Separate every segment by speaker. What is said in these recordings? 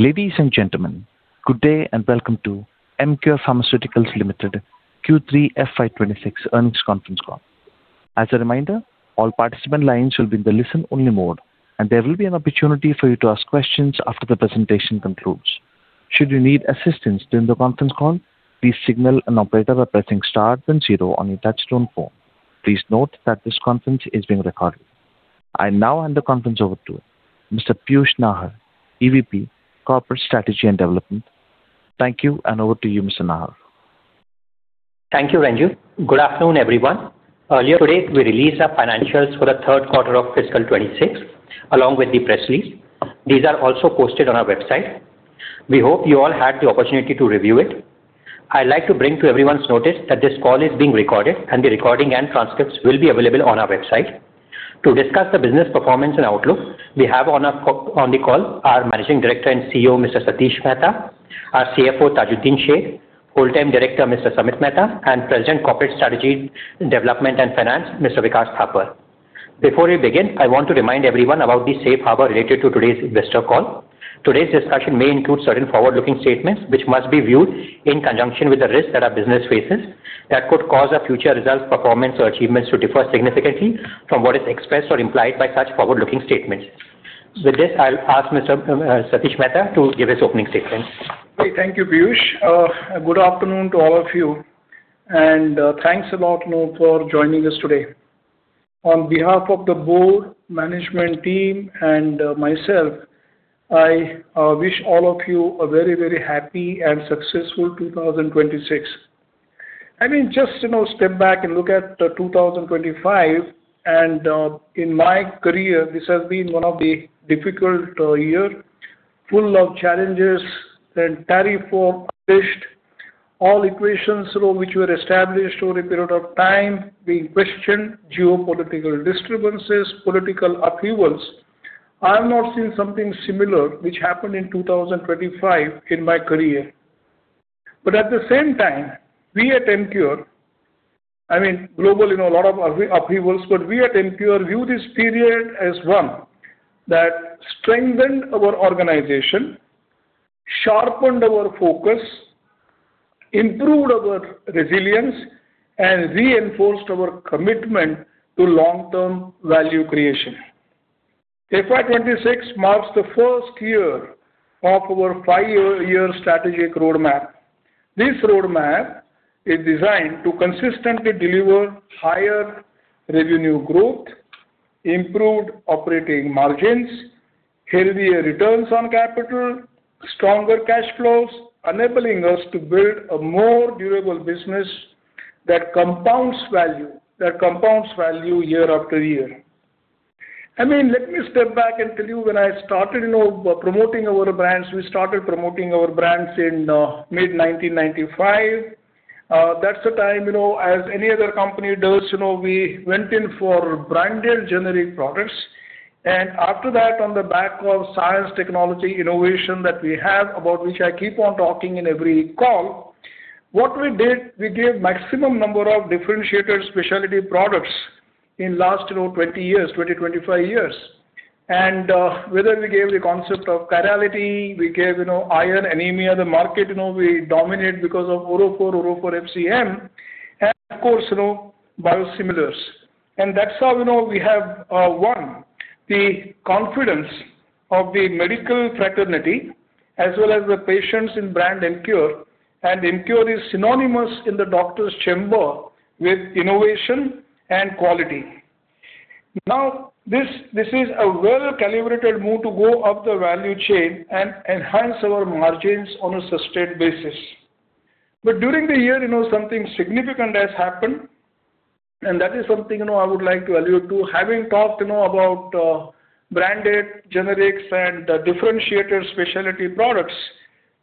Speaker 1: Ladies and gentlemen, good day, and welcome to Emcure Pharmaceuticals Limited Q3 FY26 earnings conference call. As a reminder, all participant lines will be in the listen-only mode, and there will be an opportunity for you to ask questions after the presentation concludes. Should you need assistance during the conference call, please signal an operator by pressing star then zero on your touchtone phone. Please note that this conference is being recorded. I now hand the conference over to Mr. Piyush Nahar, EVP, Corporate Strategy and Development. Thank you, and over to you, Mr. Nahar.
Speaker 2: Thank you, Ranju. Good afternoon, everyone. Earlier today, we released our financials for the third quarter of fiscal 26, along with the press release. These are also posted on our website. We hope you all had the opportunity to review it. I'd like to bring to everyone's notice that this call is being recorded, and the recording and transcripts will be available on our website. To discuss the business performance and outlook, we have on the call our Managing Director and CEO, Mr. Satish Mehta, our CFO, Tajuddin Shaikh, Full-Time Director, Mr. Samit Mehta, and President, Corporate Strategy, Development and Finance, Mr. Vikas Thapar. Before we begin, I want to remind everyone about the safe harbor related to today's investor call. Today's discussion may include certain forward-looking statements, which must be viewed in conjunction with the risks that our business faces, that could cause our future results, performance or achievements to differ significantly from what is expressed or implied by such forward-looking statements. With this, I'll ask Mr. Satish Mehta to give his opening statement.
Speaker 3: Okay, thank you, Piyush. Good afternoon to all of you, and thanks a lot, you know, for joining us today. On behalf of the board, management team, and myself, I wish all of you a very, very happy and successful 2026. I mean, just, you know, step back and look at 2025, and in my career, this has been one of the difficult year, full of challenges, then tariff war pushed all equations, you know, which were established over a period of time, being questioned, geopolitical disturbances, political upheavals. I have not seen something similar, which happened in 2025, in my career. But at the same time, we at Emcure, I mean, globally, you know, a lot of upheavals, but we at Emcure view this period as one that strengthened our organization, sharpened our focus, improved our resilience, and reinforced our commitment to long-term value creation. FY 26 marks the first year of our 5-year strategic roadmap. This roadmap is designed to consistently deliver higher revenue growth, improved operating margins, healthier returns on capital, stronger cash flows, enabling us to build a more durable business that compounds value, that compounds value year after year. I mean, let me step back and tell you, when I started, you know, promoting our brands, we started promoting our brands in mid-1995. That's the time, you know, as any other company does, you know, we went in for branded generic products. After that, on the back of science, technology, innovation that we have, about which I keep on talking in every call, what we did, we gave maximum number of differentiated specialty products in last, you know, 20 years, 20, 25 years. And, whether we gave the concept of chirality, we gave, you know, iron, anemia, the market, you know, we dominate because of Orofer, Orofer FCM, and of course, you know, biosimilars. And that's how, you know, we have won the confidence of the medical fraternity, as well as the patients in brand Emcure, and Emcure is synonymous in the doctor's chamber with innovation and quality. Now, this, this is a well-calibrated move to go up the value chain and enhance our margins on a sustained basis. But during the year, you know, something significant has happened, and that is something, you know, I would like to allude to. Having talked, you know, about branded generics and differentiated specialty products,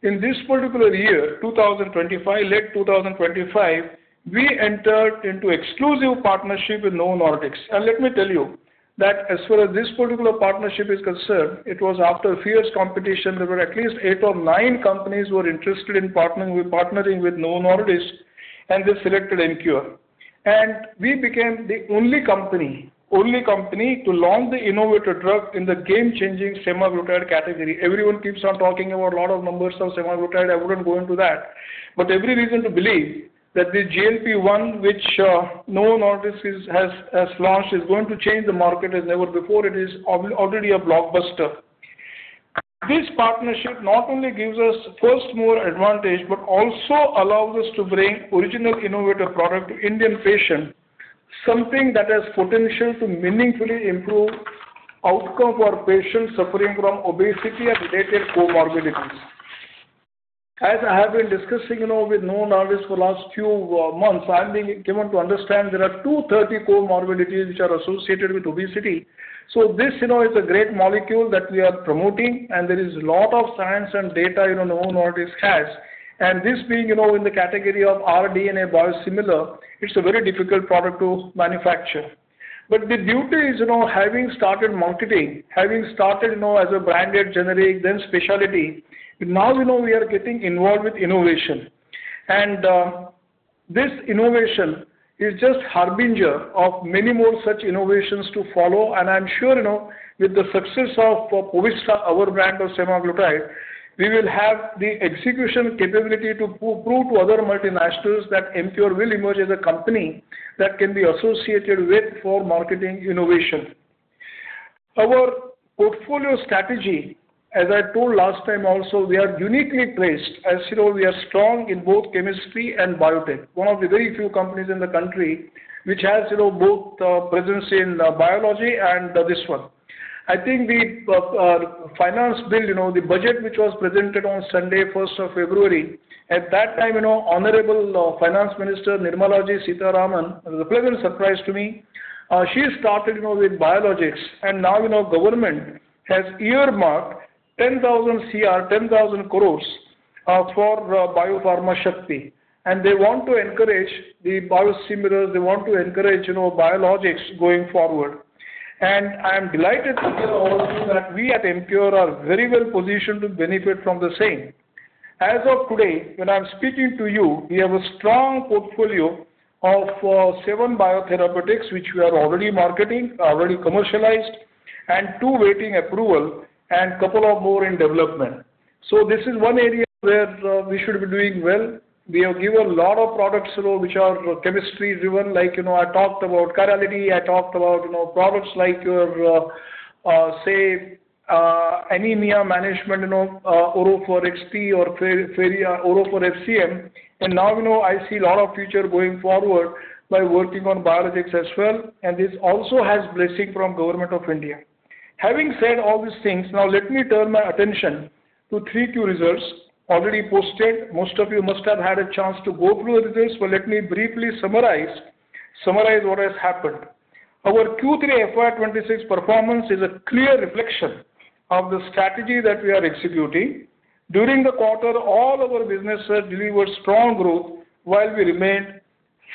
Speaker 3: in this particular year, 2025, late 2025, we entered into exclusive partnership with Novo Nordisk. And let me tell you that as far as this particular partnership is concerned, it was after a fierce competition. There were at least 8 or 9 companies who were interested in partnering with, partnering with Novo Nordisk, and they selected Emcure. And we became the only company, only company to launch the innovative drug in the game-changing semaglutide category. Everyone keeps on talking about a lot of numbers of semaglutide. I wouldn't go into that. But every reason to believe that the GLP-1, which Novo Nordisk has launched, is going to change the market as never before. It is already a blockbuster. This partnership not only gives us first-mover advantage, but also allows us to bring original innovative product to Indian patients, something that has potential to meaningfully improve outcome for patients suffering from obesity and related comorbidities. As I have been discussing, you know, with Novo Nordisk for last few months, I've been given to understand there are 230 comorbidities which are associated with obesity. So this, you know, is a great molecule that we are promoting, and there is a lot of science and data, you know, Novo Nordisk has. And this being, you know, in the category of rDNA biosimilar, it's a very difficult product to manufacture. But the beauty is, you know, having started marketing, having started, you know, as a branded generic, then specialty, now, you know, we are getting involved with innovation. And this innovation is just harbinger of many more such innovations to follow, and I'm sure, you know, with the success of Poviztra, our brand of semaglutide, we will have the execution capability to prove to other multinationals that Emcure will emerge as a company that can be associated with for marketing innovation. Our portfolio strategy, as I told last time also, we are uniquely placed, as you know, we are strong in both chemistry and biotech. One of the very few companies in the country which has, you know, both presence in biology and this one. I think the Finance Bill, you know, the Budget, which was presented on Sunday, first of February, at that time, you know, Honorable Finance Minister Nirmala Sitharaman, it was a pleasant surprise to me. She started, you know, with biologics, and now, you know, government has earmarked 10,000 crore for Bio-Pharma Shakti, and they want to encourage the biosimilars, they want to encourage, you know, biologics going forward. And I'm delighted to tell all of you that we at Emcure are very well positioned to benefit from the same. As of today, when I'm speaking to you, we have a strong portfolio of 7 biotherapeutics, which we are already marketing, already commercialized, and 2 waiting approval, and couple of more in development. So this is one area where we should be doing well. We have given a lot of products, you know, which are chemistry-driven, like, you know, I talked about chirality, I talked about, you know, products like your, say, anemia management, you know, Orofer XP or Ferium Orofer FCM. Now, you know, I see a lot of future going forward by working on biologics as well, and this also has blessing from Government of India. Having said all these things, now let me turn my attention to Q3 results. Already posted, most of you must have had a chance to go through this, but let me briefly summarize what has happened. Our Q3 FY26 performance is a clear reflection of the strategy that we are executing. During the quarter, all our businesses delivered strong growth while we remained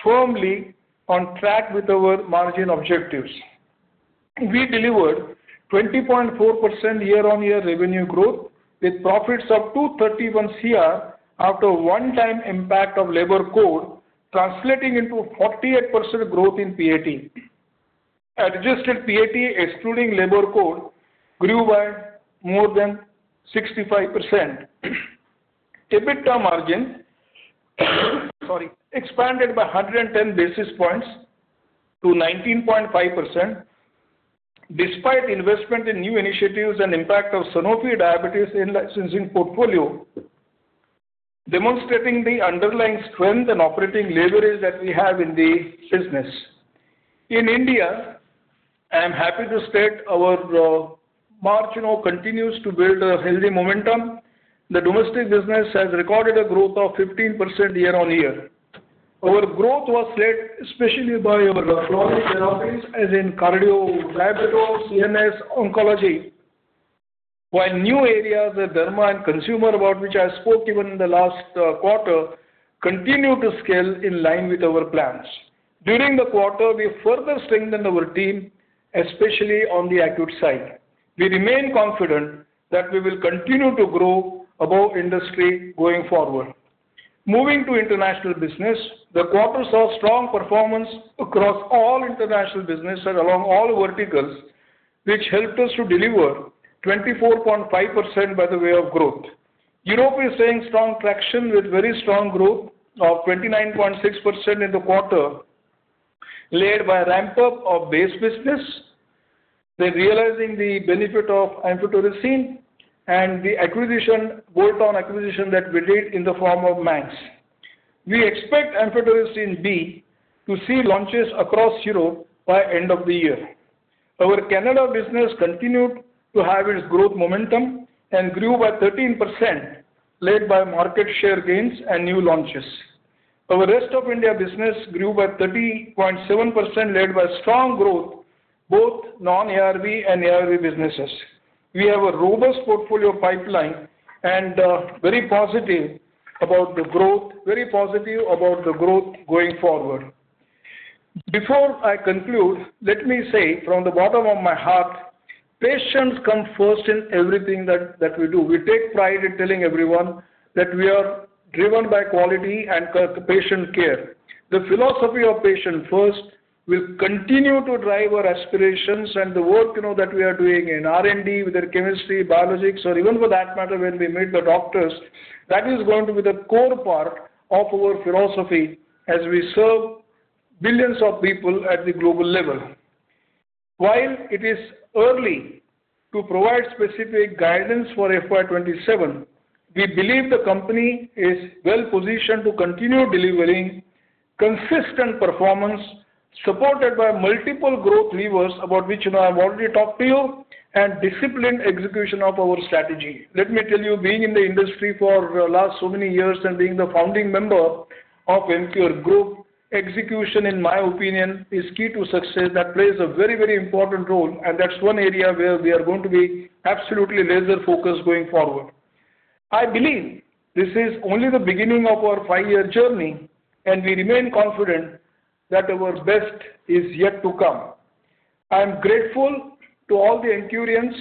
Speaker 3: firmly on track with our margin objectives. We delivered 20.4% year-on-year revenue growth, with profits up to 31 crore after a one-time impact of Labor Code, translating into 48% growth in PAT. Adjusted PAT, excluding Labor Code, grew by more than 65%. EBITDA margin, sorry, expanded by 110 basis points to 19.5%, despite investment in new initiatives and impact of Sanofi diabetes in-licensing portfolio, demonstrating the underlying strength and operating leverage that we have in the business. In India, I'm happy to state our margin continues to build a healthy momentum. The domestic business has recorded a growth of 15% year-on-year. Our growth was led especially by our chronic therapies, as in cardio, diabetology, CNS, oncology, while new areas, the derma and consumer, about which I spoke even in the last quarter, continue to scale in line with our plans. During the quarter, we further strengthened our team, especially on the acute side. We remain confident that we will continue to grow above industry going forward. Moving to international business, the quarter saw strong performance across all international businesses along all verticals, which helped us to deliver 24.5% by the way of growth. Europe is seeing strong traction with very strong growth of 29.6% in the quarter, led by a ramp-up of base business. They're realizing the benefit of Amphotericin B and the acquisition, bolt-on acquisition that we did in the form of Mantra. We expect Amphotericin B to see launches across Europe by end of the year. Our Canada business continued to have its growth momentum and grew by 13%, led by market share gains and new launches. Our rest of India business grew by 30.7%, led by strong growth, both non-ARV and ARV businesses. We have a robust portfolio pipeline and very positive about the growth, very positive about the growth going forward. Before I conclude, let me say from the bottom of my heart, patients come first in everything that, that we do. We take pride in telling everyone that we are driven by quality and patient care. The philosophy of patient first will continue to drive our aspirations and the work, you know, that we are doing in R&D, whether chemistry, biologics, or even for that matter, when we meet the doctors, that is going to be the core part of our philosophy as we serve billions of people at the global level. While it is early to provide specific guidance for FY 2027, we believe the company is well positioned to continue delivering consistent performance, supported by multiple growth levers, about which I've already talked to you, and disciplined execution of our strategy. Let me tell you, being in the industry for last so many years and being the founding member of Emcure Group, execution, in my opinion, is key to success. That plays a very, very important role, and that's one area where we are going to be absolutely laser-focused going forward. I believe this is only the beginning of our five-year journey, and we remain confident that our best is yet to come. I'm grateful to all the Emcurians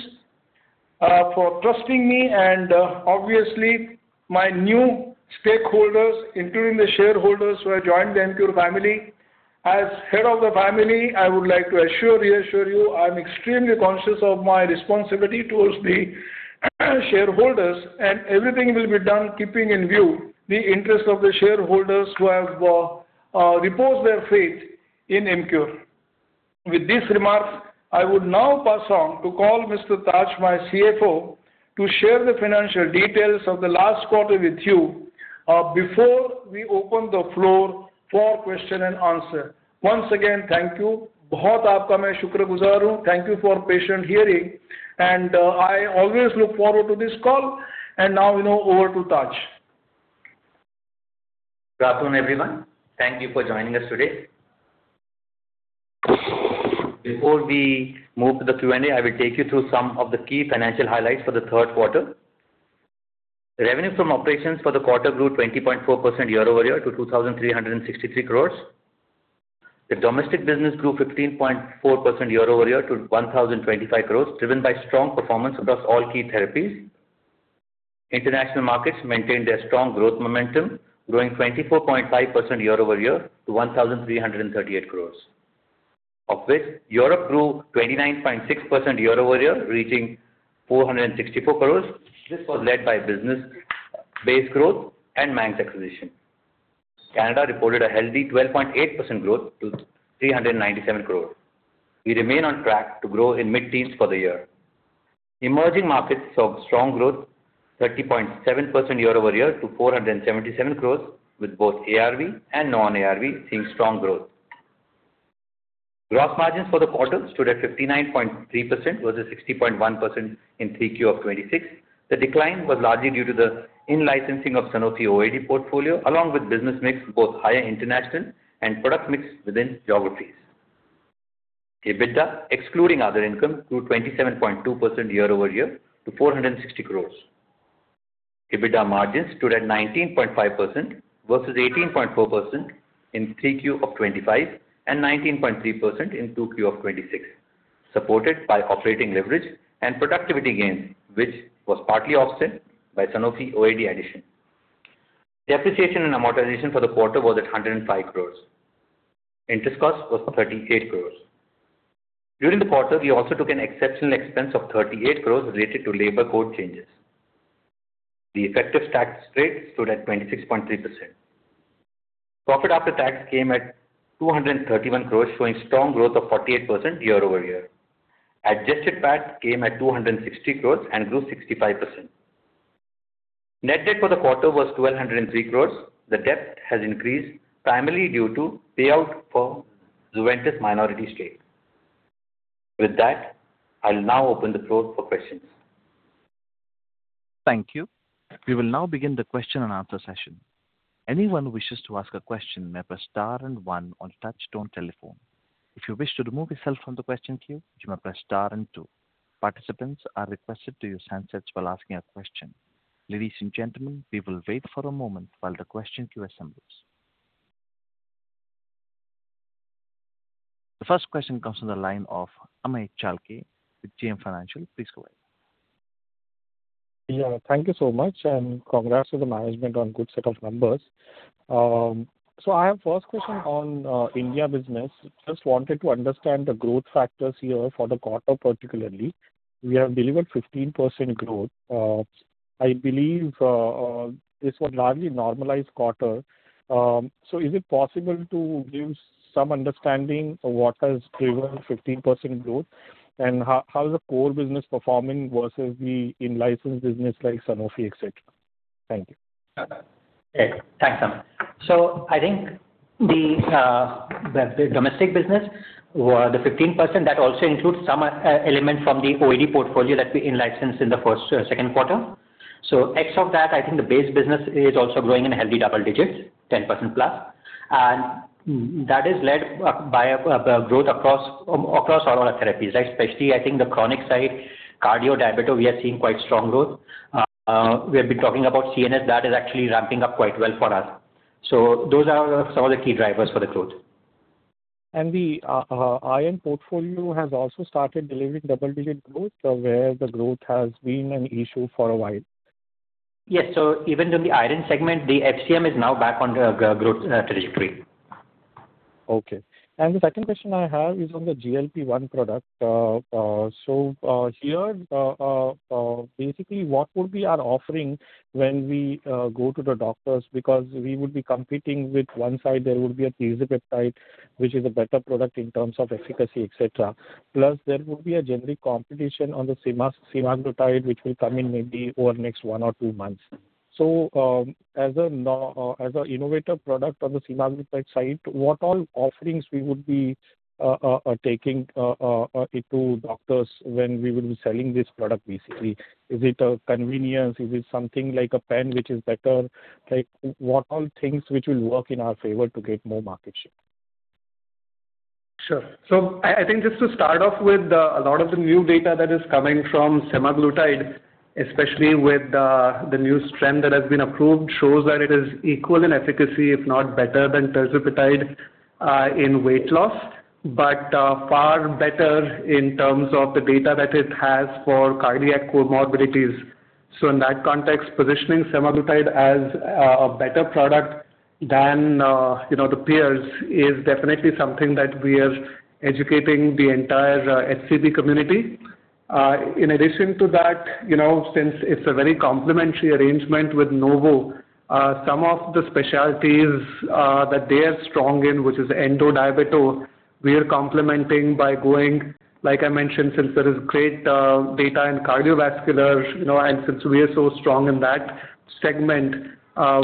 Speaker 3: for trusting me and, obviously, my new stakeholders, including the shareholders who have joined the Emcure family. As head of the family, I would like to assure, reassure you, I'm extremely conscious of my responsibility towards the shareholders, and everything will be done keeping in view the interest of the shareholders who have reposed their faith in Emcure. With this remark, I would now pass on to call Mr. Tajuddin, my CFO, to share the financial details of the last quarter with you, before we open the floor for question and answer. Once again, thank you. Thank you for patient hearing, and, I always look forward to this call, and now, you know, over to Taj.
Speaker 4: Good afternoon, everyone. Thank you for joining us today. Before we move to the Q&A, I will take you through some of the key financial highlights for the third quarter. Revenue from operations for the quarter grew 20.4% year-over-year to 2,363 crores. The domestic business grew 15.4% year-over-year to 1,025 crores, driven by strong performance across all key therapies. International markets maintained their strong growth momentum, growing 24.5% year-over-year to 1,338 crores. Of which, Europe grew 29.6% year-over-year, reaching 464 crores. This was led by business base growth and Manx acquisition. Canada reported a healthy 12.8% growth to 397 crore. We remain on track to grow in mid-teens for the year. Emerging markets saw strong growth, 30.7% year-over-year to 477 crore, with both ARV and non-ARV seeing strong growth. Gross margins for the quarter stood at 59.3%, versus 60.1% in Q3 of 2026. The decline was largely due to the in-licensing of Sanofi OAD portfolio, along with business mix, both higher international and product mix within geographies. EBITDA, excluding other income, grew 27.2% year-over-year to 460 crore. EBITDA margins stood at 19.5% versus 18.4% in Q3 of 2025, and 19.3% in Q2 of 2026, supported by operating leverage and productivity gains, which was partly offset by Sanofi OAD addition. Depreciation and amortization for the quarter was at 105 crore. Interest cost was 38 crore. During the quarter, we also took an exceptional expense of 38 crore related to Labor Code changes. The effective tax rate stood at 26.3%. Profit after tax came at 231 crore, showing strong growth of 48% year-over-year. Adjusted PAT came at 260 crore and grew 65%. Net debt for the quarter was 1,203 crore. The debt has increased primarily due to payout for Zuventus minority stake. With that, I'll now open the floor for questions.
Speaker 1: Thank you. We will now begin the question and answer session. Anyone who wishes to ask a question may press star and one on touchtone telephone. If you wish to remove yourself from the question queue, you may press star and two. Participants are requested to use handsets while asking a question. Ladies and gentlemen, we will wait for a moment while the question queue assembles. The first question comes from the line of Amey Chalke with JM Financial. Please go ahead.
Speaker 5: Yeah, thank you so much, and congrats to the management on good set of numbers. So I have first question on India business. Just wanted to understand the growth factors here for the quarter, particularly. We have delivered 15% growth. I believe this was largely normalized quarter. So is it possible to give some understanding of what has driven 15% growth, and how is the core business performing versus the in-licensed business like Sanofi, et cetera? Thank you.
Speaker 4: Okay. Thanks, Amey. So I think the domestic business, where the 15%, that also includes some element from the OAD portfolio that we in-licensed in the second quarter. So ex of that, I think the base business is also growing in a healthy double digits, 10% plus. And that is led by a growth across all our therapies, especially, I think, the chronic side, cardio, diabetes, we are seeing quite strong growth. We have been talking about CNS, that is actually ramping up quite well for us. So those are some of the key drivers for the growth.
Speaker 5: The iron portfolio has also started delivering double-digit growth, where the growth has been an issue for a while.
Speaker 4: Yes. So even in the iron segment, the FCM is now back on the growth trajectory.
Speaker 5: Okay. The second question I have is on the GLP-1 product. So, basically, what would be our offering when we go to the doctors? Because we would be competing with one side, there would be a tirzepatide, which is a better product in terms of efficacy, et cetera. Plus, there would be a generic competition on the semaglutide, which will come in maybe over the next one or two months. So, as an innovative product on the semaglutide side, what all offerings we would be taking to doctors when we will be selling this product, basically? Is it a convenience? Is it something like a pen, which is better? Like, what all things which will work in our favor to get more market share? Sure. So I think just to start off with, a lot of the new data that is coming from semaglutide, especially with the new strength that has been approved, shows that it is equal in efficacy, if not better than tirzepatide in weight loss, but far better in terms of the data that it has for cardiac comorbidities. So in that context, positioning semaglutide as a better product than, you know, the peers, is definitely something that we are educating the entire HCP community. In addition to that, you know, since it's a very complementary arrangement with Novo, some of the specialties that they are strong in, which is endo diabeto, we are complementing by going, like I mentioned, since there is great data in cardiovascular, you know, and since we are so strong in that segment,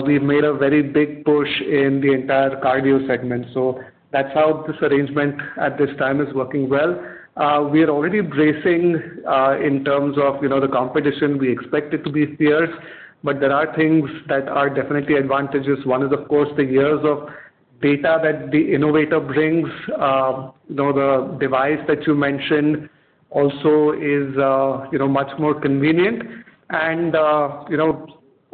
Speaker 5: we've made a very big push in the entire cardio segment. So that's how this arrangement at this time is working well. We are already bracing in terms of, you know, the competition. We expect it to be fierce, but there are things that are definitely advantages. One is, of course, the years of data that the innovator brings. You know, the device that you mentioned also is, you know, much more convenient. You know,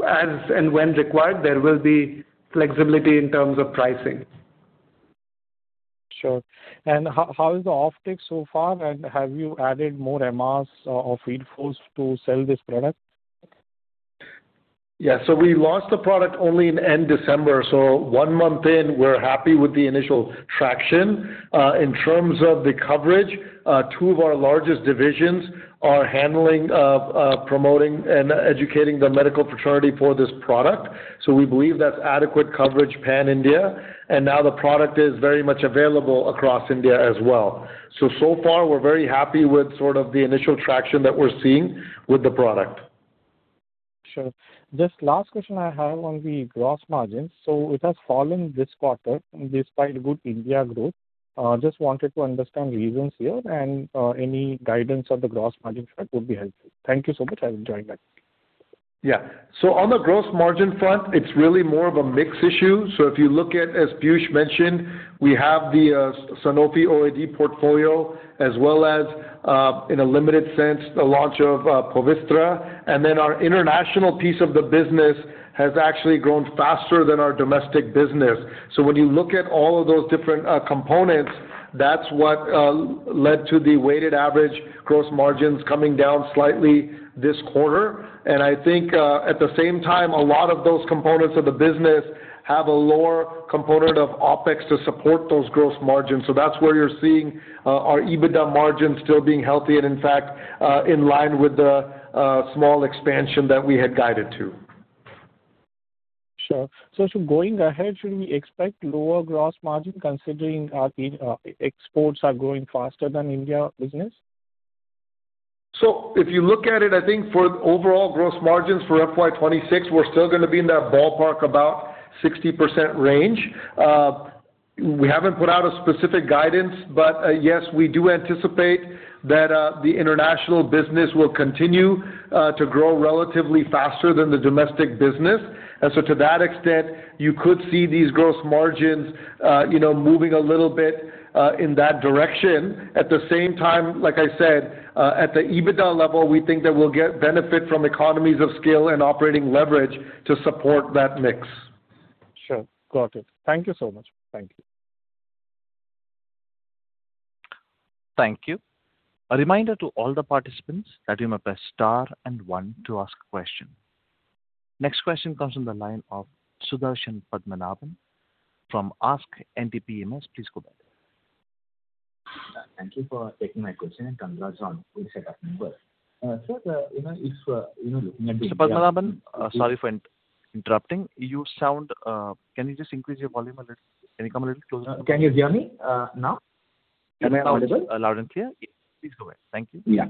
Speaker 5: as and when required, there will be flexibility in terms of pricing. Sure. And how is the offtake so far, and have you added more MRs or field force to sell this product?
Speaker 6: Yeah. So we launched the product only in end December. So one month in, we're happy with the initial traction. In terms of the coverage, two of our largest divisions are handling, promoting and educating the medical fraternity for this product. So we believe that's adequate coverage pan-India, and now the product is very much available across India as well. So, so far we're very happy with sort of the initial traction that we're seeing with the product.
Speaker 5: Sure. Just last question I have on the gross margins. So it has fallen this quarter despite good India growth. Just wanted to understand reasons here and any guidance of the gross margin front would be helpful. Thank you so much. I've enjoyed that.
Speaker 6: Yeah. So on the gross margin front, it's really more of a mix issue. So if you look at, as Piyush mentioned, we have the Sanofi OAD portfolio as well as, in a limited sense, the launch of Poviztra. And then our international piece of the business has actually grown faster than our domestic business. So when you look at all of those different components, that's what led to the weighted average gross margins coming down slightly this quarter. And I think, at the same time, a lot of those components of the business have a lower component of OpEx to support those gross margins. So that's where you're seeing our EBITDA margins still being healthy and in fact, in line with the small expansion that we had guided to.
Speaker 5: Sure. So going ahead, should we expect lower gross margin, considering our exports are growing faster than India business?
Speaker 6: So if you look at it, I think for overall gross margins for FY 26, we're still gonna be in that ballpark, about 60% range. We haven't put out a specific guidance, but yes, we do anticipate that the international business will continue to grow relatively faster than the domestic business. And so to that extent, you could see these gross margins, you know, moving a little bit in that direction. At the same time, like I said, at the EBITDA level, we think that we'll get benefit from economies of scale and operating leverage to support that mix.
Speaker 1: Sure. Got it. Thank you so much. Thank you. Thank you. A reminder to all the participants that you may press star and one to ask a question. Next question comes from the line of Sudarshan Padmanaban from ASK Investment Managers. Please go ahead.
Speaker 7: Thank you for taking my question, and congrats on the set up number. Sir, you know, if, you know- Mr. Padmanabhan, sorry for interrupting. You sound... Can you just increase your volume a little? Can you come a little closer? Can you hear me, now? Am I audible? Loud and clear. Please go ahead. Thank you. Yeah.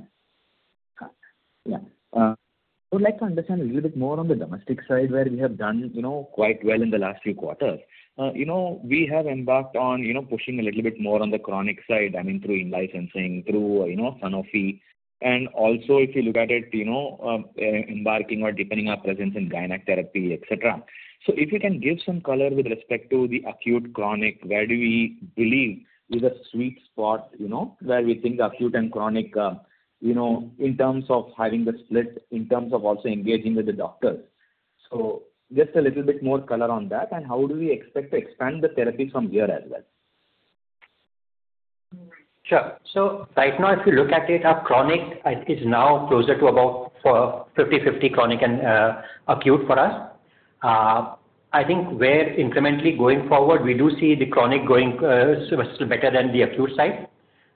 Speaker 7: Yeah. I would like to understand a little bit more on the domestic side, where we have done, you know, quite well in the last few quarters. You know, we have embarked on, you know, pushing a little bit more on the chronic side, I mean, through in-licensing, through, you know, Sanofi. And also, if you look at it, you know, embarking or deepening our presence in gynecology, et cetera. So if you can give some color with respect to the acute/chronic, where do we believe is a sweet spot, you know, where we think acute and chronic, you know, in terms of having the split, in terms of also engaging with the doctors? So just a little bit more color on that, and how do we expect to expand the therapy from here as well?
Speaker 2: Sure. So right now, if you look at it, our chronic is now closer to about 50/50 chronic and acute for us. I think where incrementally going forward, we do see the chronic going still better than the acute side.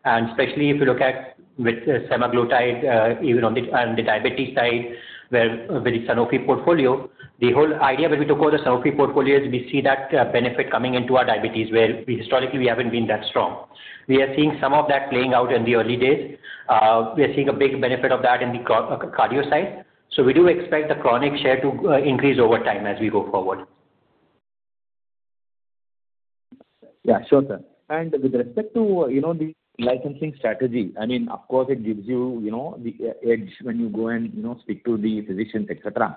Speaker 2: And especially if you look at with semaglutide, even on the diabetes side, where with Sanofi portfolio, the whole idea when we took over the Sanofi portfolio is we see that benefit coming into our diabetes, where we historically we haven't been that strong. We are seeing some of that playing out in the early days. We are seeing a big benefit of that in the cardio side. So we do expect the chronic share to increase over time as we go forward.
Speaker 7: Yeah, sure, sir. And with respect to, you know, the licensing strategy, I mean, of course it gives you, you know, the edge when you go and, you know, speak to the physicians, et cetera.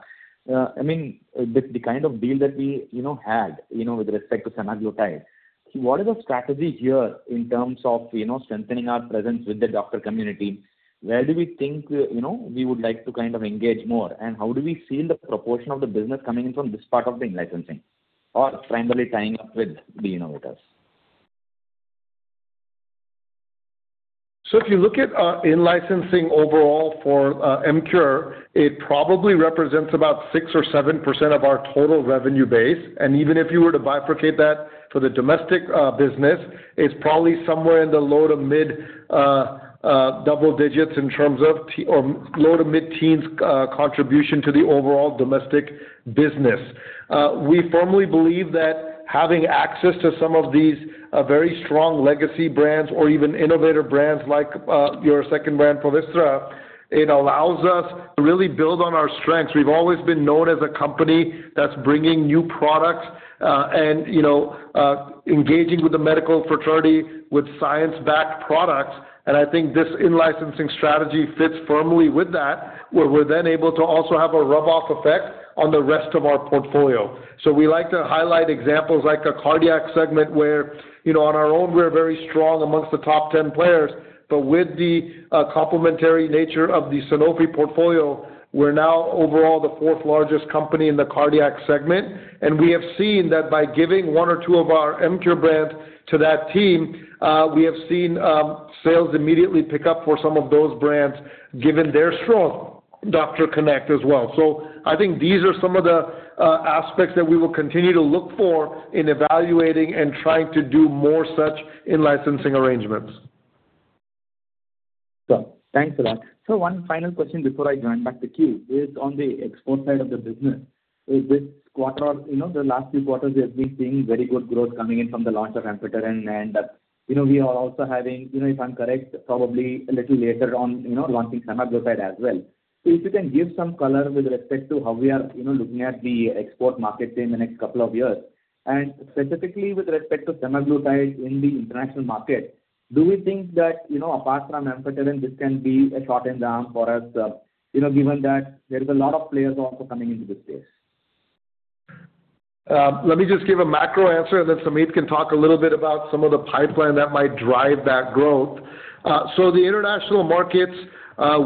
Speaker 7: I mean, the kind of deal that we, you know, had, you know, with respect to semaglutide, what is the strategy here in terms of, you know, strengthening our presence with the doctor community? Where do we think, you know, we would like to kind of engage more? And how do we see the proportion of the business coming in from this part of the licensing or primarily tying up with the innovators? ...
Speaker 6: So if you look at in-licensing overall for Emcure, it probably represents about 6 or 7% of our total revenue base. Even if you were to bifurcate that for the domestic business, it's probably somewhere in the low to mid-double digits in terms of or low to mid-teens contribution to the overall domestic business. We firmly believe that having access to some of these very strong legacy brands or even innovator brands like your second brand, Poviztra, it allows us to really build on our strengths. We've always been known as a company that's bringing new products and you know engaging with the medical fraternity with science-backed products. I think this in-licensing strategy fits firmly with that, where we're then able to also have a rub off effect on the rest of our portfolio. So we like to highlight examples like a cardiac segment where, you know, on our own, we're very strong amongst the top ten players, but with the complementary nature of the Sanofi portfolio, we're now overall the fourth largest company in the cardiac segment. And we have seen that by giving one or two of our Emcure brands to that team, we have seen sales immediately pick up for some of those brands, given their strong doctor connect as well. So I think these are some of the aspects that we will continue to look for in evaluating and trying to do more such in-licensing arrangements. So thanks for that. So one final question before I join back the queue. It's on the export side of the business, is this quarter. You know, the last few quarters, we have been seeing very good growth coming in from the launch of Amphotericin B. And, you know, we are also having, you know, if I'm correct, probably a little later on, you know, launching semaglutide as well. So if you can give some color with respect to how we are, you know, looking at the export market in the next couple of years, and specifically with respect to semaglutide in the international market, do we think that, you know, apart from Amphotericin B, this can be a short-term down for us? You know, given that there is a lot of players also coming into this space. Let me just give a macro answer, and then Samit can talk a little bit about some of the pipeline that might drive that growth. So the international markets,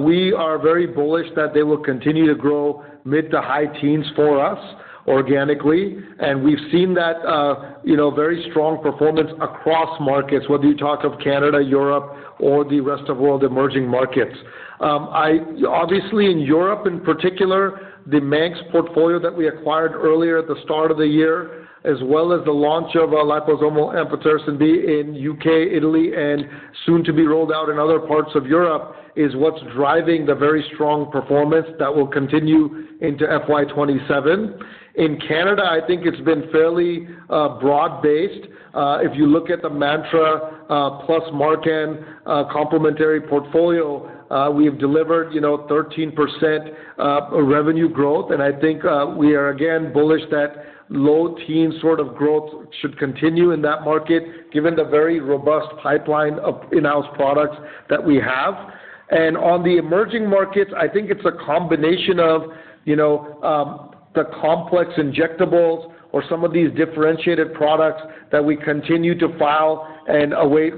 Speaker 6: we are very bullish that they will continue to grow mid- to high-teens for us organically. And we've seen that, you know, very strong performance across markets, whether you talk of Canada, Europe, or the rest of world emerging markets. Obviously, in Europe in particular, the Manx portfolio that we acquired earlier at the start of the year, as well as the launch of our liposomal Amphotericin B in UK, Italy, and soon to be rolled out in other parts of Europe, is what's driving the very strong performance that will continue into FY 2027. In Canada, I think it's been fairly broad-based. If you look at the Mantra, plus Marcan, complementary portfolio, we have delivered, you know, 13% revenue growth. And I think we are again bullish that low-teens sort of growth should continue in that market, given the very robust pipeline of in-house products that we have. And on the emerging markets, I think it's a combination of, you know, the complex injectables or some of these differentiated products that we continue to file and await,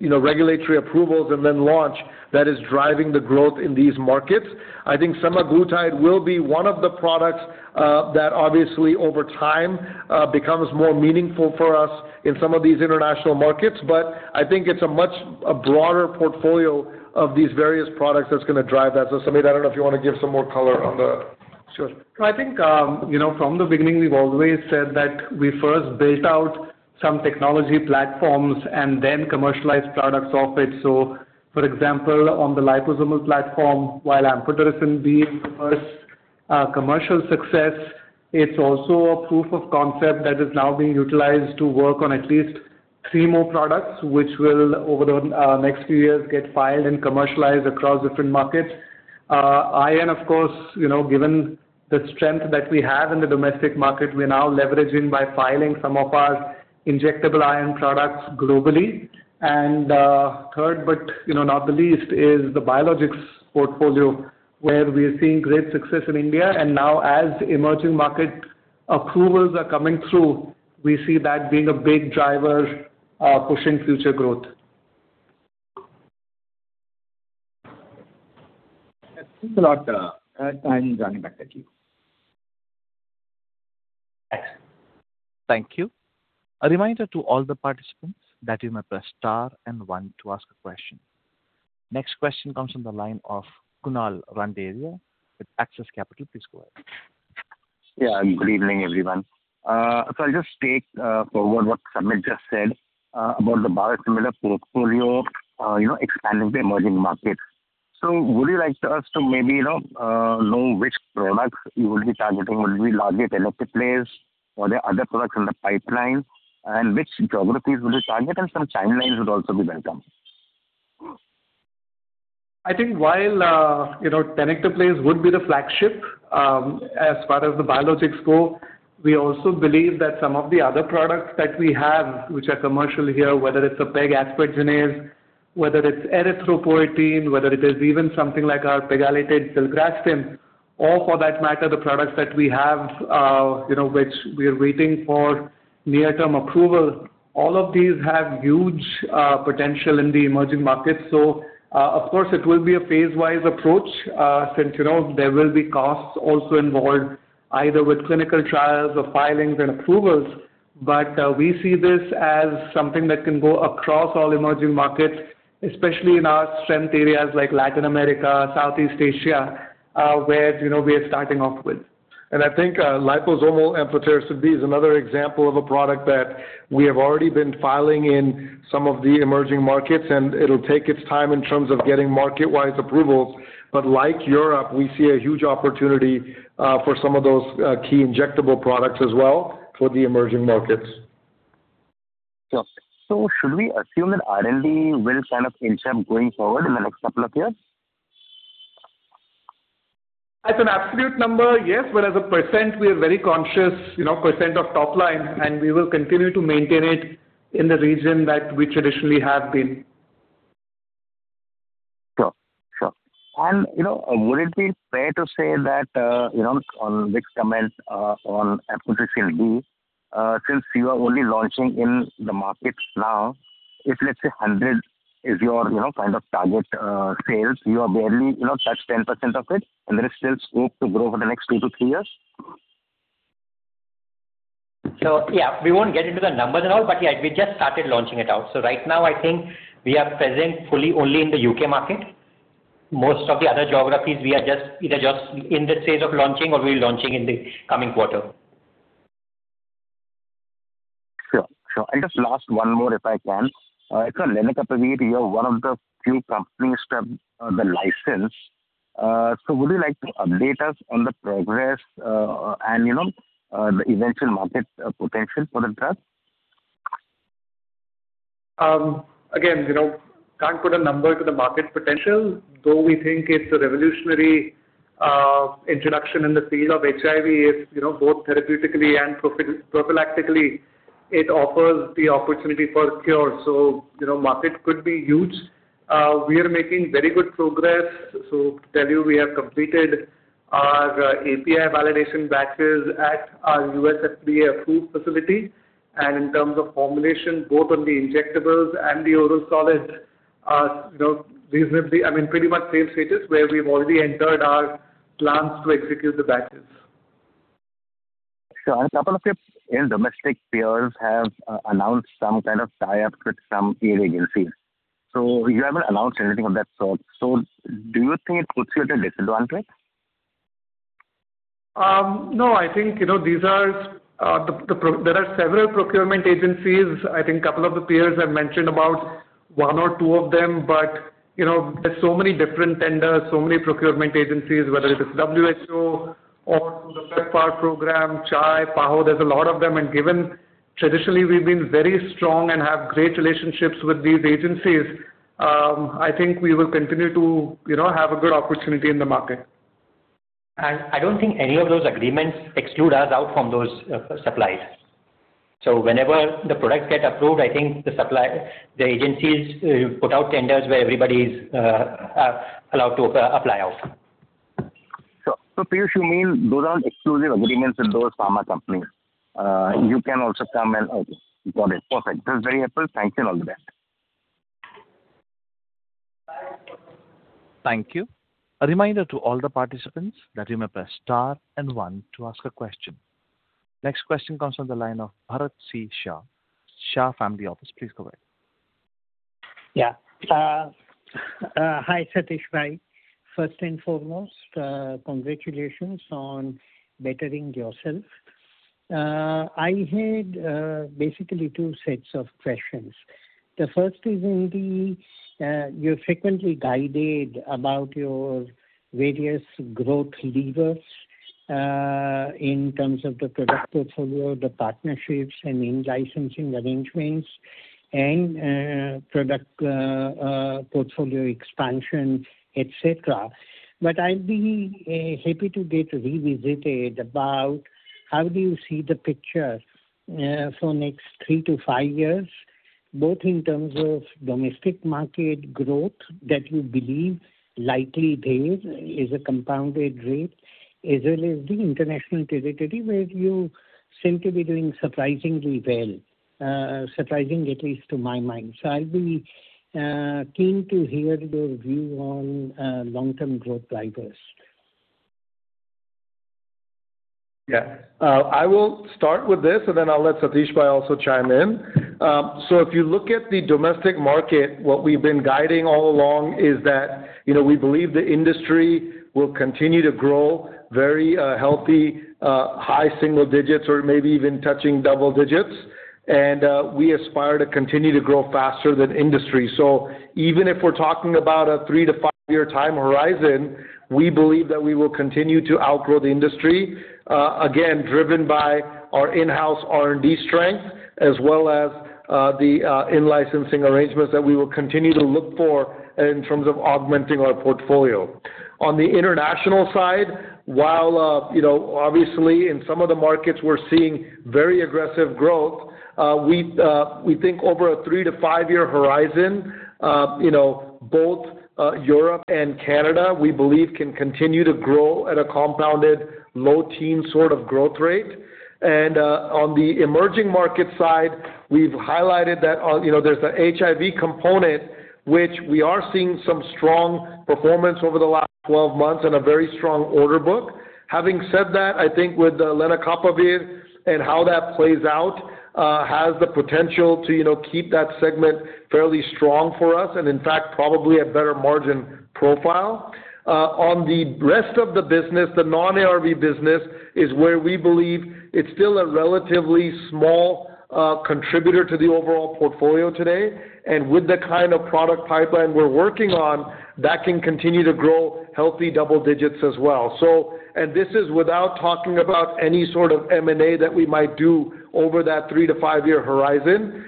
Speaker 6: you know, regulatory approvals and then launch, that is driving the growth in these markets. I think semaglutide will be one of the products that obviously over time becomes more meaningful for us in some of these international markets. But I think it's a much broader portfolio of these various products that's gonna drive that. Samit, I don't know if you want to give some more color on that. Sure. I think, you know, from the beginning, we've always said that we first built out some technology platforms and then commercialized products off it. So, for example, on the liposomal platform, while Amphotericin B was commercial success, it's also a proof of concept that is now being utilized to work on at least three more products, which will, over the next few years, get filed and commercialized across different markets. And of course, you know, given the strength that we have in the domestic market, we're now leveraging by filing some of our injectable iron products globally. And third, but, you know, not the least, is the biologics portfolio, where we are seeing great success in India. And now, as emerging market approvals are coming through, we see that being a big driver, pushing future growth. Thanks a lot. I'm joining back to you.
Speaker 1: Thank you. A reminder to all the participants that you may press star and one to ask a question. Next question comes from the line of Kunal Randeria with Axis Capital. Please go ahead.
Speaker 5: Yeah, good evening, everyone. So I'll just take forward what Samit just said about the biosimilar portfolio, you know, expanding to emerging markets. So would you like us to maybe, you know, know which products you will be targeting? Will it be largely tenecteplase, or there are other products in the pipeline? And which geographies will you target, and some timelines would also be welcome. I think while, you know, tenecteplase would be the flagship, as far as the biologics go, we also believe that some of the other products that we have, which are commercial here, whether it's a pegaspargine, whether it's erythropoietin, whether it is even something like our pegylated filgrastim, or for that matter, the products that we have, you know, which we are waiting for near-term approval, all of these have huge, potential in the emerging markets. So, of course, it will be a phase-wise approach, since, you know, there will be costs also involved, either with clinical trials or filings and approvals....
Speaker 6: But, we see this as something that can go across all emerging markets, especially in our strength areas like Latin America, Southeast Asia, where, you know, we are starting off with. And I think, liposomal Amphotericin B is another example of a product that we have already been filing in some of the emerging markets, and it'll take its time in terms of getting market-wide approvals. But like Europe, we see a huge opportunity, for some of those, key injectable products as well for the emerging markets.
Speaker 5: Sure. So should we assume that R&D will kind of inch up going forward in the next couple of years?
Speaker 6: As an absolute number, yes, but as a %, we are very conscious, you know, % of top line, and we will continue to maintain it in the region that we traditionally have been.
Speaker 5: Sure. Sure. And, you know, would it be fair to say that, you know, on Vikas's comment, on Amphotericin B, since you are only launching in the markets now, if, let's say, 100 is your, you know, kind of target, sales, you have barely, you know, touched 10% of it, and there is still scope to grow over the next 2-3 years?
Speaker 2: So, yeah, we won't get into the numbers and all, but yeah, we just started launching it out. So right now, I think we are present fully only in the UK market. Most of the other geographies, we are just either just in the phase of launching or we're launching in the coming quarter.
Speaker 5: Sure. Sure. And just last one more, if I can. So lenacapavir, you're one of the few companies to have the license. So would you like to update us on the progress, and, you know, the eventual market potential for the drug?
Speaker 6: Again, you know, can't put a number to the market potential, though we think it's a revolutionary introduction in the field of HIV. It's, you know, both therapeutically and prophylactically, it offers the opportunity for cure, so, you know, market could be huge. We are making very good progress. So to tell you, we have completed our API validation batches at our U.S. FDA-approved facility. And in terms of formulation, both on the injectables and the oral solid, are, you know, reasonably, I mean, pretty much same status, where we've already entered our plans to execute the batches.
Speaker 5: Sure. A couple of your domestic peers have announced some kind of tie-up with some agencies, so you haven't announced anything of that sort. Do you think it puts you at a disadvantage?
Speaker 6: No, I think, you know, these are the procurement agencies. There are several procurement agencies. I think a couple of the peers have mentioned about one or two of them, but, you know, there's so many different tenders, so many procurement agencies, whether it is WHO or the Program, CHAI, PAHO, there's a lot of them. And given traditionally we've been very strong and have great relationships with these agencies, I think we will continue to, you know, have a good opportunity in the market.
Speaker 2: And I don't think any of those agreements exclude us out from those, suppliers. So whenever the products get approved, I think the supplier, the agencies, put out tenders where everybody's, allowed to, apply out.
Speaker 5: Sure. So Piyush, you mean those are exclusive agreements with those pharma companies? You can also come and... Okay, got it. Perfect. That's very helpful. Thank you, and all the best.
Speaker 1: Thank you. A reminder to all the participants that you may press star and One to ask a question. Next question comes from the line of Bharat C. Shah, Shah Family Office. Please go ahead.
Speaker 8: Yeah. Hi, Satish bhai. First and foremost, congratulations on bettering yourself. I had basically two sets of questions. The first is in the, you're frequently guided about your various growth levers, in terms of the product portfolio, the partnerships and in-licensing arrangements and, product, portfolio expansion, et cetera. But I'd be happy to get revisited about how do you see the picture, for next 3-5 years, both in terms of domestic market growth that you believe likely there is a compounded rate, as well as the international territory, where you seem to be doing surprisingly well, surprisingly, at least to my mind. So I'll be keen to hear your view on, long-term growth drivers.
Speaker 6: Yeah. I will start with this, and then I'll let Satish also chime in. So if you look at the domestic market, what we've been guiding all along is that, you know, we believe the industry will continue to grow very healthy, high single digits or maybe even touching double digits. And we aspire to continue to grow faster than industry. So even if we're talking about a 3-5-year time horizon, we believe that we will continue to outgrow the industry, again, driven by our in-house R&D strength, as well as the in-licensing arrangements that we will continue to look for in terms of augmenting our portfolio. On the international side, while, you know, obviously, in some of the markets we're seeing very aggressive growth, we think over a 3-5-year horizon, you know, both, Europe and Canada, we believe, can continue to grow at a compounded low-teen sort of growth rate. And, on the emerging market side, we've highlighted that on, you know, there's a HIV component—which we are seeing some strong performance over the last 12 months and a very strong order book. Having said that, I think with the lenacapavir, and how that plays out, has the potential to, you know, keep that segment fairly strong for us, and in fact, probably a better margin profile. On the rest of the business, the non-ARV business, is where we believe it's still a relatively small, contributor to the overall portfolio today. And with the kind of product pipeline we're working on, that can continue to grow healthy double digits as well. So, and this is without talking about any sort of M&A that we might do over that 3- to 5-year horizon,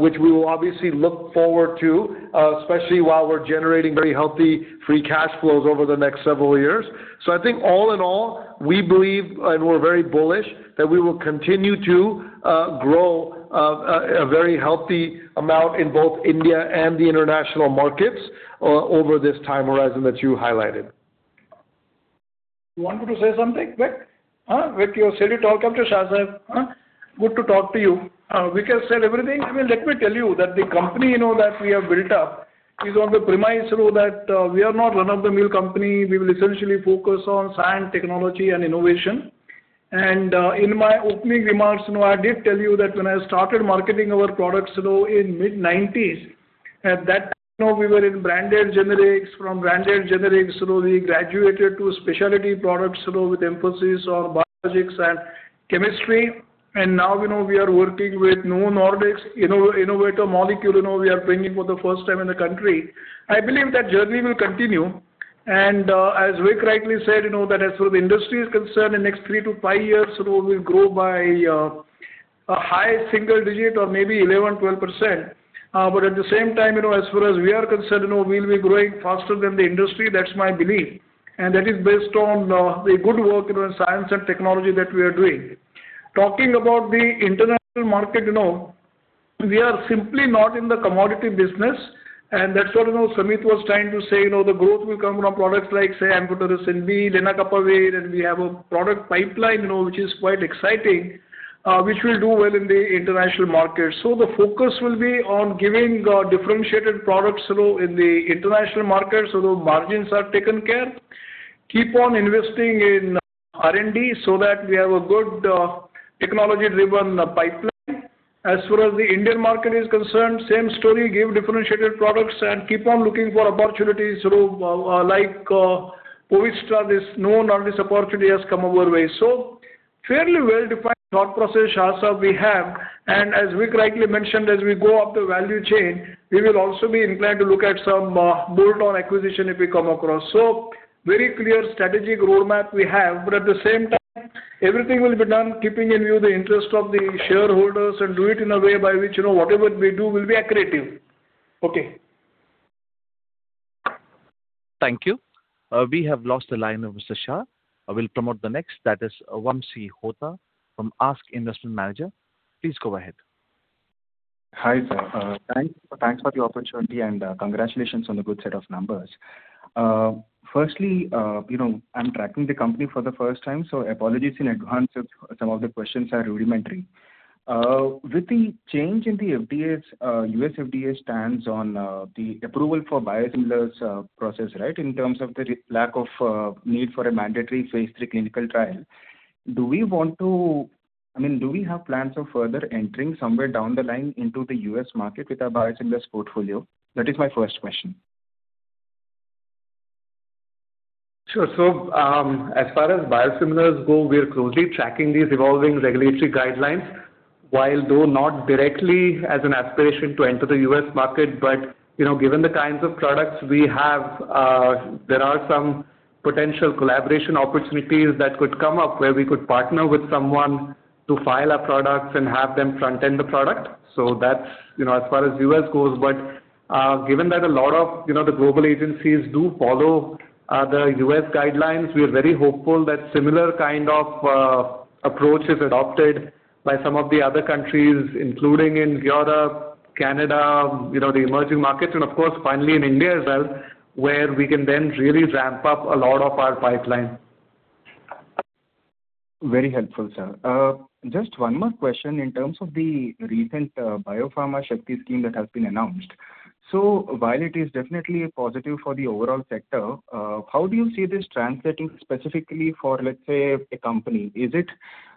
Speaker 6: which we will obviously look forward to, especially while we're generating very healthy free cash flows over the next several years. So I think all in all, we believe, and we're very bullish, that we will continue to grow a very healthy amount in both India and the international markets, over this time horizon that you highlighted.
Speaker 3: You wanted to say something, Vic? Huh, Vic, you said you'd talk after Shah saab, huh? Good to talk to you. Vic has said everything. I mean, let me tell you that the company you know that we have built up is on the premise, you know, that we are not run-of-the-mill company. We will essentially focus on science, technology, and innovation. In my opening remarks, you know, I did tell you that when I started marketing our products, you know, in mid-nineties, at that time, you know, we were in branded generics. From branded generics, you know, we graduated to specialty products, you know, with emphasis on biologics and chemistry. Now, you know, we are working with new novelties, innovator molecule, you know, we are bringing for the first time in the country. I believe that journey will continue. As Vikas rightly said, you know, that as far as the industry is concerned, the next 3-5 years, you know, will grow by a high single digit or maybe 11, 12%. But at the same time, you know, as far as we are concerned, you know, we'll be growing faster than the industry. That's my belief, and that is based on the good work in the science and technology that we are doing. Talking about the international market, you know, we are simply not in the commodity business, and that's what, you know, Samit was trying to say, you know, the growth will come from products like, say, Amphotericin B, lenacapavir, and we have a product pipeline, you know, which is quite exciting, which will do well in the international market. So the focus will be on giving differentiated products, you know, in the international market, so the margins are taken care. Keep on investing in R&D so that we have a good technology-driven pipeline. As far as the Indian market is concerned, same story, give differentiated products and keep on looking for opportunities through, like, Poviztra, this known opportunity has come our way. So fairly well-defined thought process, Shah saab, we have. And as Vic rightly mentioned, as we go up the value chain, we will also be inclined to look at some bolt-on acquisition if we come across. So very clear strategic roadmap we have, but at the same time, everything will be done keeping in view the interest of the shareholders, and do it in a way by which, you know, whatever we do will be accretive. Okay.
Speaker 1: Thank you. We have lost the line of Mr. Shah. I will promote the next, that is Vamsi Hota from ASK Investment Managers. Please go ahead.
Speaker 9: Hi, sir. Thanks, thanks for the opportunity and, congratulations on the good set of numbers. Firstly, you know, I'm tracking the company for the first time, so apologies in advance if some of the questions are rudimentary. With the change in the FDA's, U.S. FDA stands on, the approval for biosimilars, process, right? In terms of the lack of, need for a mandatory phase three clinical trial. Do we want to... I mean, do we have plans of further entering somewhere down the line into the U.S. market with our biosimilars portfolio? That is my first question.
Speaker 6: Sure. So, as far as biosimilars go, we are closely tracking these evolving regulatory guidelines, while though not directly as an aspiration to enter the U.S. market. But, you know, given the kinds of products we have, there are some potential collaboration opportunities that could come up, where we could partner with someone to file our products and have them front-end the product. So that's, you know, as far as U.S. goes. But, given that a lot of, you know, the global agencies do follow, the U.S. guidelines, we are very hopeful that similar kind of, approach is adopted by some of the other countries, including in Europe, Canada, you know, the emerging markets, and of course, finally in India as well, where we can then really ramp up a lot of our pipeline.
Speaker 9: Very helpful, sir. Just one more question in terms of the recent Bio-Pharma Shakti scheme that has been announced. So while it is definitely a positive for the overall sector, how do you see this translating specifically for, let's say, a company? Is it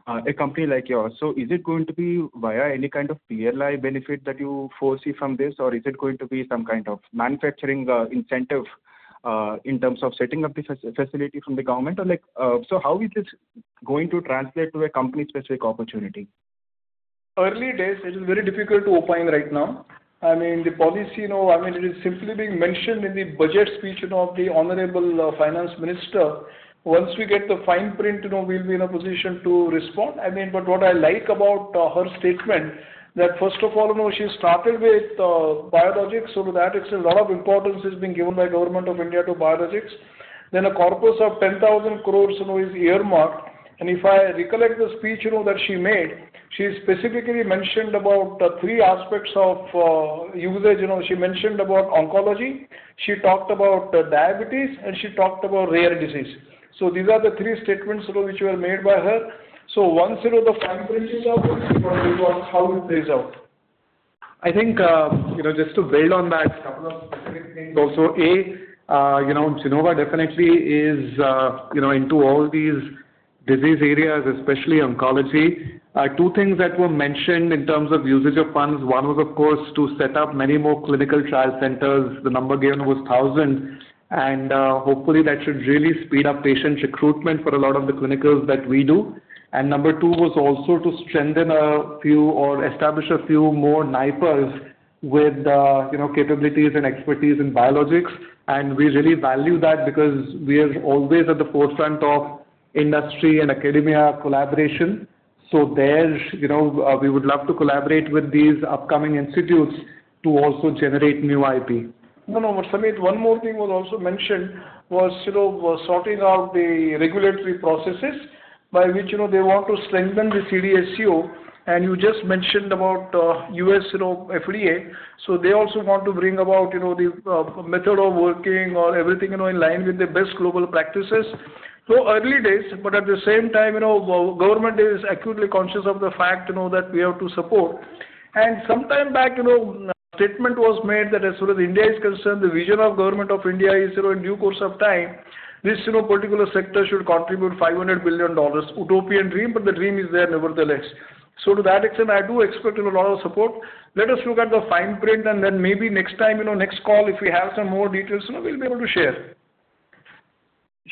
Speaker 9: a company like yours? So is it going to be via any kind of PLI benefit that you foresee from this, or is it going to be some kind of manufacturing incentive in terms of setting up the facility from the government? Or, like, so how is this going to translate to a company-specific opportunity?
Speaker 3: Early days, it is very difficult to opine right now. I mean, the policy, you know, I mean, it is simply being mentioned in the Budget speech of the Honorable Finance Minister. Once we get the fine print, you know, we'll be in a position to respond. I mean, but what I like about her statement, that first of all, you know, she started with biologics, so that it's a lot of importance is being given by government of India to biologics. Then a corpus of 10,000 crore, you know, is earmarked. And if I recollect the speech, you know, that she made, she specifically mentioned about the three aspects of usage. You know, she mentioned about oncology. She talked about diabetes, and she talked about rare disease. So these are the three statements, you know, which were made by her. Once, you know, the fine print is out, how it plays out?
Speaker 6: I think, you know, just to build on that, couple of specific things also. A, you know, Gennova definitely is, you know, into all these disease areas, especially oncology. Two things that were mentioned in terms of usage of funds. One was, of course, to set up many more clinical trial centers. The number given was 1,000, and hopefully that should really speed up patient recruitment for a lot of the clinicals that we do. And number two was also to strengthen a few or establish a few more NIPERs with, you know, capabilities and expertise in biologics. And we really value that because we are always at the forefront of industry and academia collaboration. So there, you know, we would love to collaborate with these upcoming institutes to also generate new IP.
Speaker 3: No, no, but Samit, one more thing was also mentioned was, you know, sorting out the regulatory processes by which, you know, they want to strengthen the CDSCO, and you just mentioned about, U.S. FDA. So they also want to bring about, you know, the method of working or everything, you know, in line with the best global practices. So early days, but at the same time, you know, government is acutely conscious of the fact, you know, that we have to support. And sometime back, you know, statement was made that as far as India is concerned, the vision of government of India is, you know, in due course of time, this, you know, particular sector should contribute $500,000,000,000. Utopian dream, but the dream is there nevertheless. So to that extent, I do expect, you know, a lot of support. Let us look at the fine print, and then maybe next time, you know, next call, if we have some more details, you know, we'll be able to share.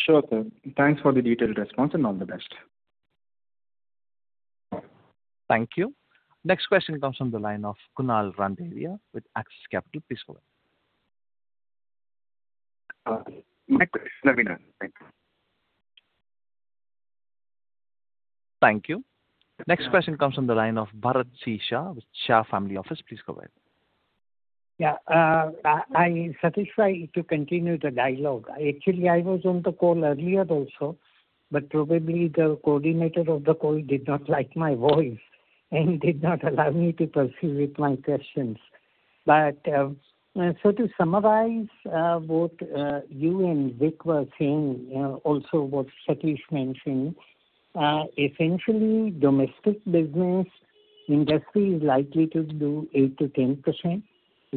Speaker 9: Sure, sir. Thanks for the detailed response, and all the best.
Speaker 1: Thank you. Next question comes from the line of Kunal Randeria with Axis Capital, please go ahead.
Speaker 3: Next question. Thank you.
Speaker 1: Thank you. Next question comes from the line of Bharat C. Shah with Shah Family Office. Please go ahead.
Speaker 8: Yeah, I satisfied to continue the dialogue. Actually, I was on the call earlier also, but probably the coordinator of the call did not like my voice and did not allow me to proceed with my questions. But so to summarize, what you and Vic were saying, also what Satish mentioned, essentially, domestic business industry is likely to do 8%-10%.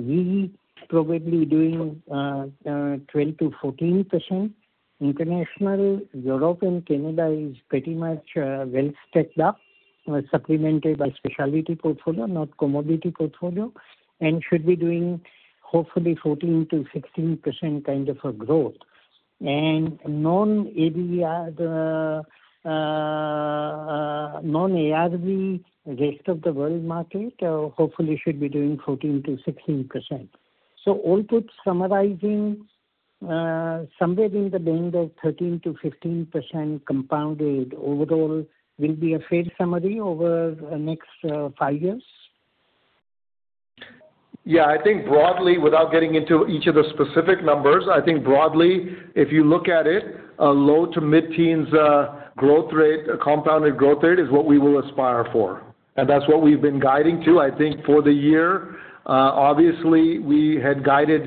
Speaker 8: We probably doing 12%-14%. International, Europe and Canada is pretty much well stepped up, supplemented by specialty portfolio, not commodity portfolio, and should be doing hopefully 14%-16% kind of a growth. And non-ARV, rest of the world market, hopefully should be doing 14%-16%. So, all put together, summarizing, somewhere in the range of 13%-15% compounded overall, will be a fair summary over the next five years?
Speaker 6: Yeah, I think broadly, without getting into each of the specific numbers, I think broadly, if you look at it, a low- to mid-teens growth rate, compounded growth rate is what we will aspire for, and that's what we've been guiding to. I think for the year, obviously we had guided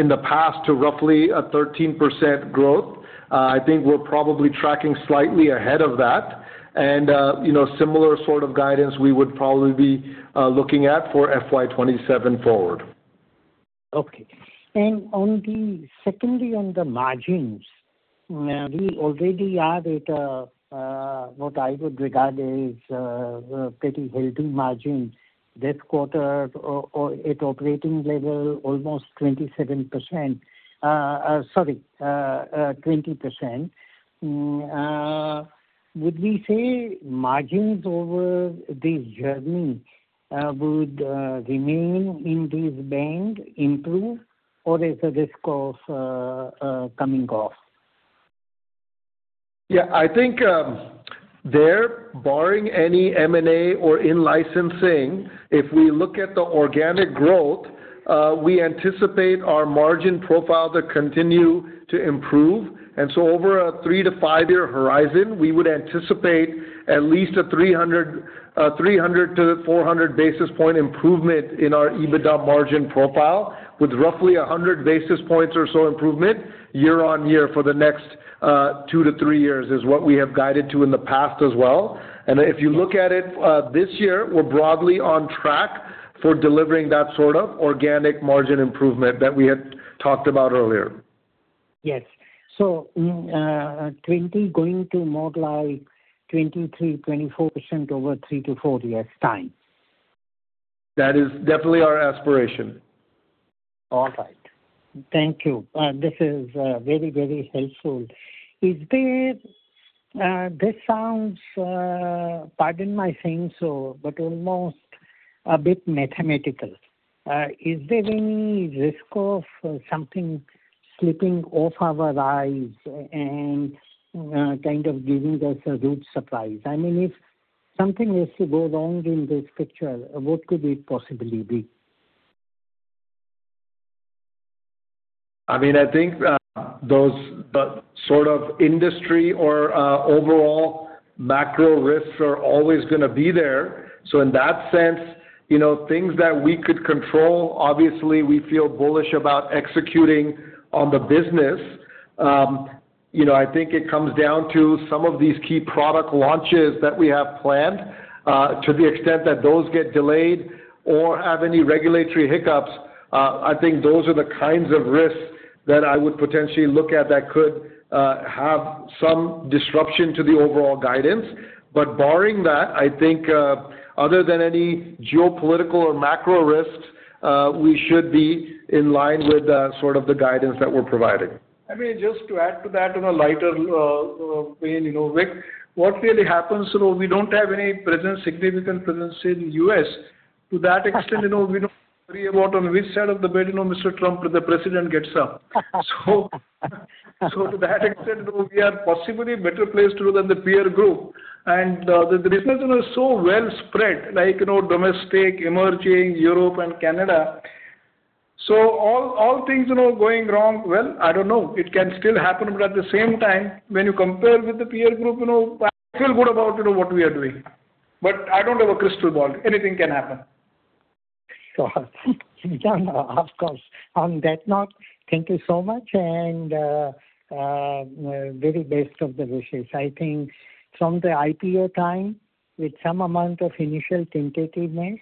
Speaker 6: in the past to roughly a 13% growth. I think we're probably tracking slightly ahead of that. And, you know, similar sort of guidance we would probably be looking at for FY 2027 forward.
Speaker 8: Okay. And secondly, on the margins, we already are at what I would regard as pretty healthy margin this quarter or at operating level, almost 27%. Sorry, 20%. Would we say margins over this journey would remain in this range, improve, or is there risk of coming off?
Speaker 6: Yeah, I think, there, barring any M&A or in-licensing, if we look at the organic growth, we anticipate our margin profile to continue to improve. And so over a 3- to 5-year horizon, we would anticipate at least a 300- to 400 basis point improvement in our EBITDA margin profile, with roughly a 100 basis points or so improvement year on year for the next, 2 to 3 years, is what we have guided to in the past as well. And if you look at it, this year, we're broadly on track for delivering that sort of organic margin improvement that we had talked about earlier.
Speaker 8: Yes. So, 20 going to more like 23-24% over 3-4 years time?
Speaker 6: That is definitely our aspiration.
Speaker 8: All right. Thank you. This is very, very helpful. This sounds, pardon my saying so, but almost a bit mathematical. Is there any risk of something slipping off our eyes and kind of giving us a rude surprise? I mean, if something was to go wrong in this picture, what could it possibly be?
Speaker 6: I mean, I think those sort of industry or overall macro risks are always gonna be there. So in that sense, you know, things that we could control, obviously, we feel bullish about executing on the business. You know, I think it comes down to some of these key product launches that we have planned. To the extent that those get delayed or have any regulatory hiccups, I think those are the kinds of risks that I would potentially look at, that could have some disruption to the overall guidance. But barring that, I think other than any geopolitical or macro risks, we should be in line with sort of the guidance that we're providing.
Speaker 3: I mean, just to add to that in a lighter way, you know, Vic, what really happens, you know, we don't have any presence, significant presence in U.S. To that extent, you know, we don't worry about on which side of the bed, you know, Mr. Trump, the president, gets up. So, so to that extent, you know, we are possibly better placed than the peer group. And, the business is so well spread, like, you know, domestic, emerging, Europe and Canada. So all things, you know, going wrong, well, I don't know. It can still happen, but at the same time, when you compare with the peer group, you know, I feel good about, you know, what we are doing. But I don't have a crystal ball. Anything can happen.
Speaker 8: Of course. On that note, thank you so much, and very best wishes. I think from the IPO time, with some amount of initial tentativeness,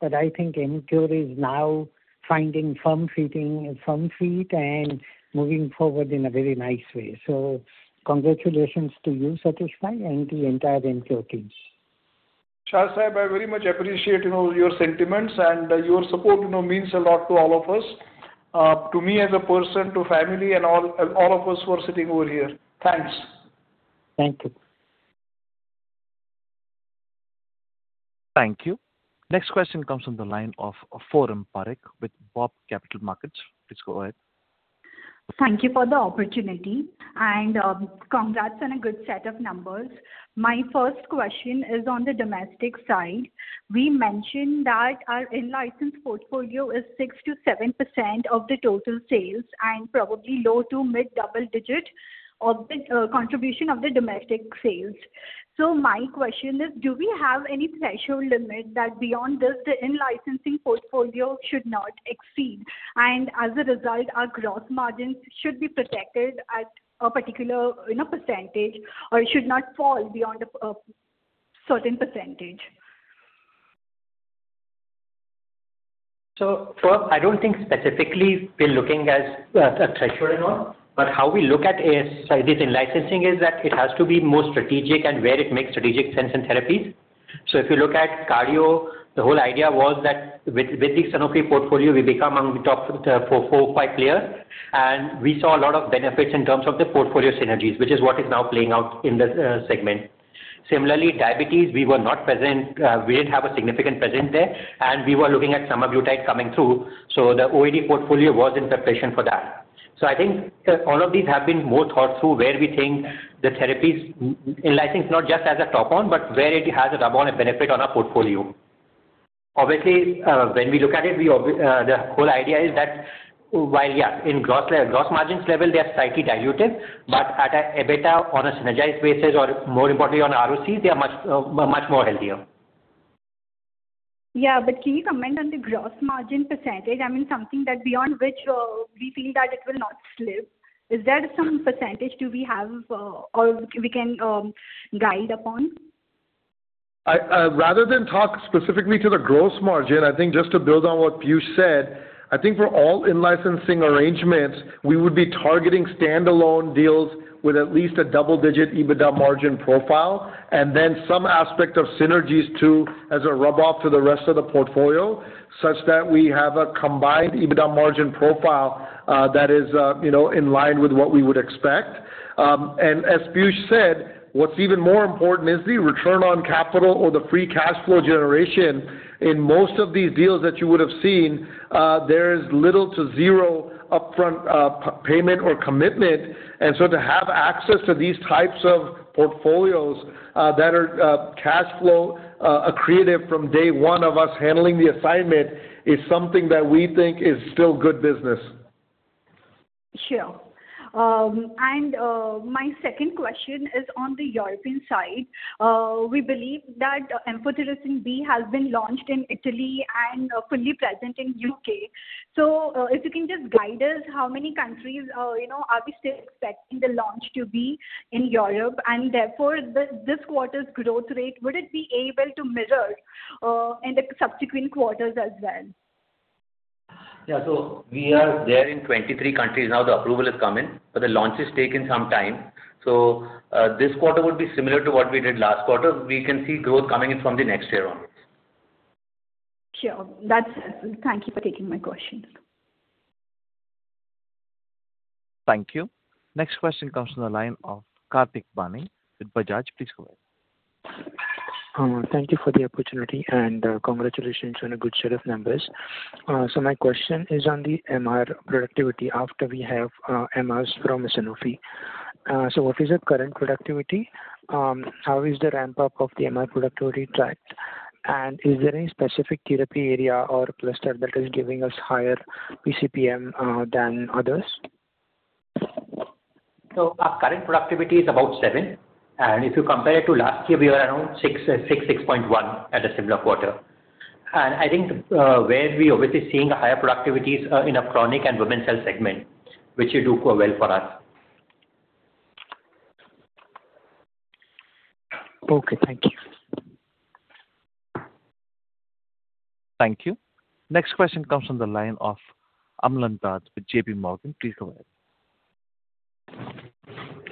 Speaker 8: but I think Emcure is now finding firm footing, firm feet and moving forward in a very nice way. So congratulations to you, Satish Mehta, and the entire Emcure team.
Speaker 3: Shah Sahib, I very much appreciate, you know, your sentiments and your support, you know, means a lot to all of us, to me as a person, to family, and all, and all of us who are sitting over here. Thanks.
Speaker 8: Thank you.
Speaker 1: Thank you. Next question comes from the line of Foram Parekh with BOB Capital Markets. Please go ahead.
Speaker 10: Thank you for the opportunity, and congrats on a good set of numbers. My first question is on the domestic side. We mentioned that our in-license portfolio is 6%-7% of the total sales, and probably low to mid double digit of the contribution of the domestic sales. So my question is, do we have any threshold limit that beyond this, the in-licensing portfolio should not exceed, and as a result, our gross margins should be protected at a particular, you know, percentage, or it should not fall beyond a certain percentage?
Speaker 2: So Forum, I don't think specifically we're looking at a threshold and all, but how we look at it is, this in-licensing is that it has to be more strategic and where it makes strategic sense in therapies. So if you look at cardio, the whole idea was that with the Sanofi portfolio, we become among the top four, five players, and we saw a lot of benefits in terms of the portfolio synergies, which is what is now playing out in the segment. Similarly, diabetes, we were not present, we didn't have a significant presence there, and we were looking at semaglutide coming through, so the OAD portfolio was in preparation for that. So I think, all of these have been more thought through, where we think the therapies in-licensing, not just as a top on, but where it has a rub-off a benefit on our portfolio. Obviously, when we look at it, the whole idea is that while, yeah, in gross, gross margins level, they are slightly dilutive, but at a EBITDA on a synergized basis or more importantly, on ROCs, they are much, much more healthier.
Speaker 10: Yeah, but can you comment on the gross margin percentage? I mean, something that beyond which, we feel that it will not slip. Is there some percentage do we have, or we can guide upon?
Speaker 6: I, rather than talk specifically to the gross margin, I think just to build on what Piyush said, I think for all in-licensing arrangements, we would be targeting standalone deals with at least a double-digit EBITDA margin profile, and then some aspect of synergies, too, as a rub off to the rest of the portfolio, such that we have a combined EBITDA margin profile, that is, you know, in line with what we would expect. And as Piyush said, what's even more important is the return on capital or the free cash flow generation. In most of these deals that you would have seen, there is little to zero upfront, payment or commitment. To have access to these types of portfolios that are cash flow accretive from day one of us handling the assignment is something that we think is still good business.
Speaker 10: Sure. And, my second question is on the European side. We believe that Amphotericin B has been launched in Italy and fully present in U.K. So, if you can just guide us, how many countries, you know, are we still expecting the launch to be in Europe? And therefore, this, this quarter's growth rate, would it be able to measure, in the subsequent quarters as well?
Speaker 2: Yeah, so we are there in 23 countries now, the approval has come in, but the launch is taking some time. So, this quarter would be similar to what we did last quarter. We can see growth coming in from the next year onwards.
Speaker 10: Sure. Thank you for taking my questions.
Speaker 1: Thank you. Next question comes from the line of Kartik Pani with Bajaj. Please go ahead.
Speaker 11: Thank you for the opportunity and, congratulations on a good set of numbers. So my question is on the MR productivity after we have MRs from Sanofi.... so what is your current productivity? How is the ramp-up of the MR productivity tracked? And is there any specific therapy area or cluster that is giving us higher PCPM than others?
Speaker 2: So our current productivity is about 7, and if you compare it to last year, we were around 6, 6.1 at a similar quarter. And I think, where we're obviously seeing a higher productivities are in a chronic and women's health segment, which will do quite well for us.
Speaker 11: Okay, thank you.
Speaker 1: Thank you. Next question comes from the line of Amlan Datta with J.P. Morgan. Please go ahead.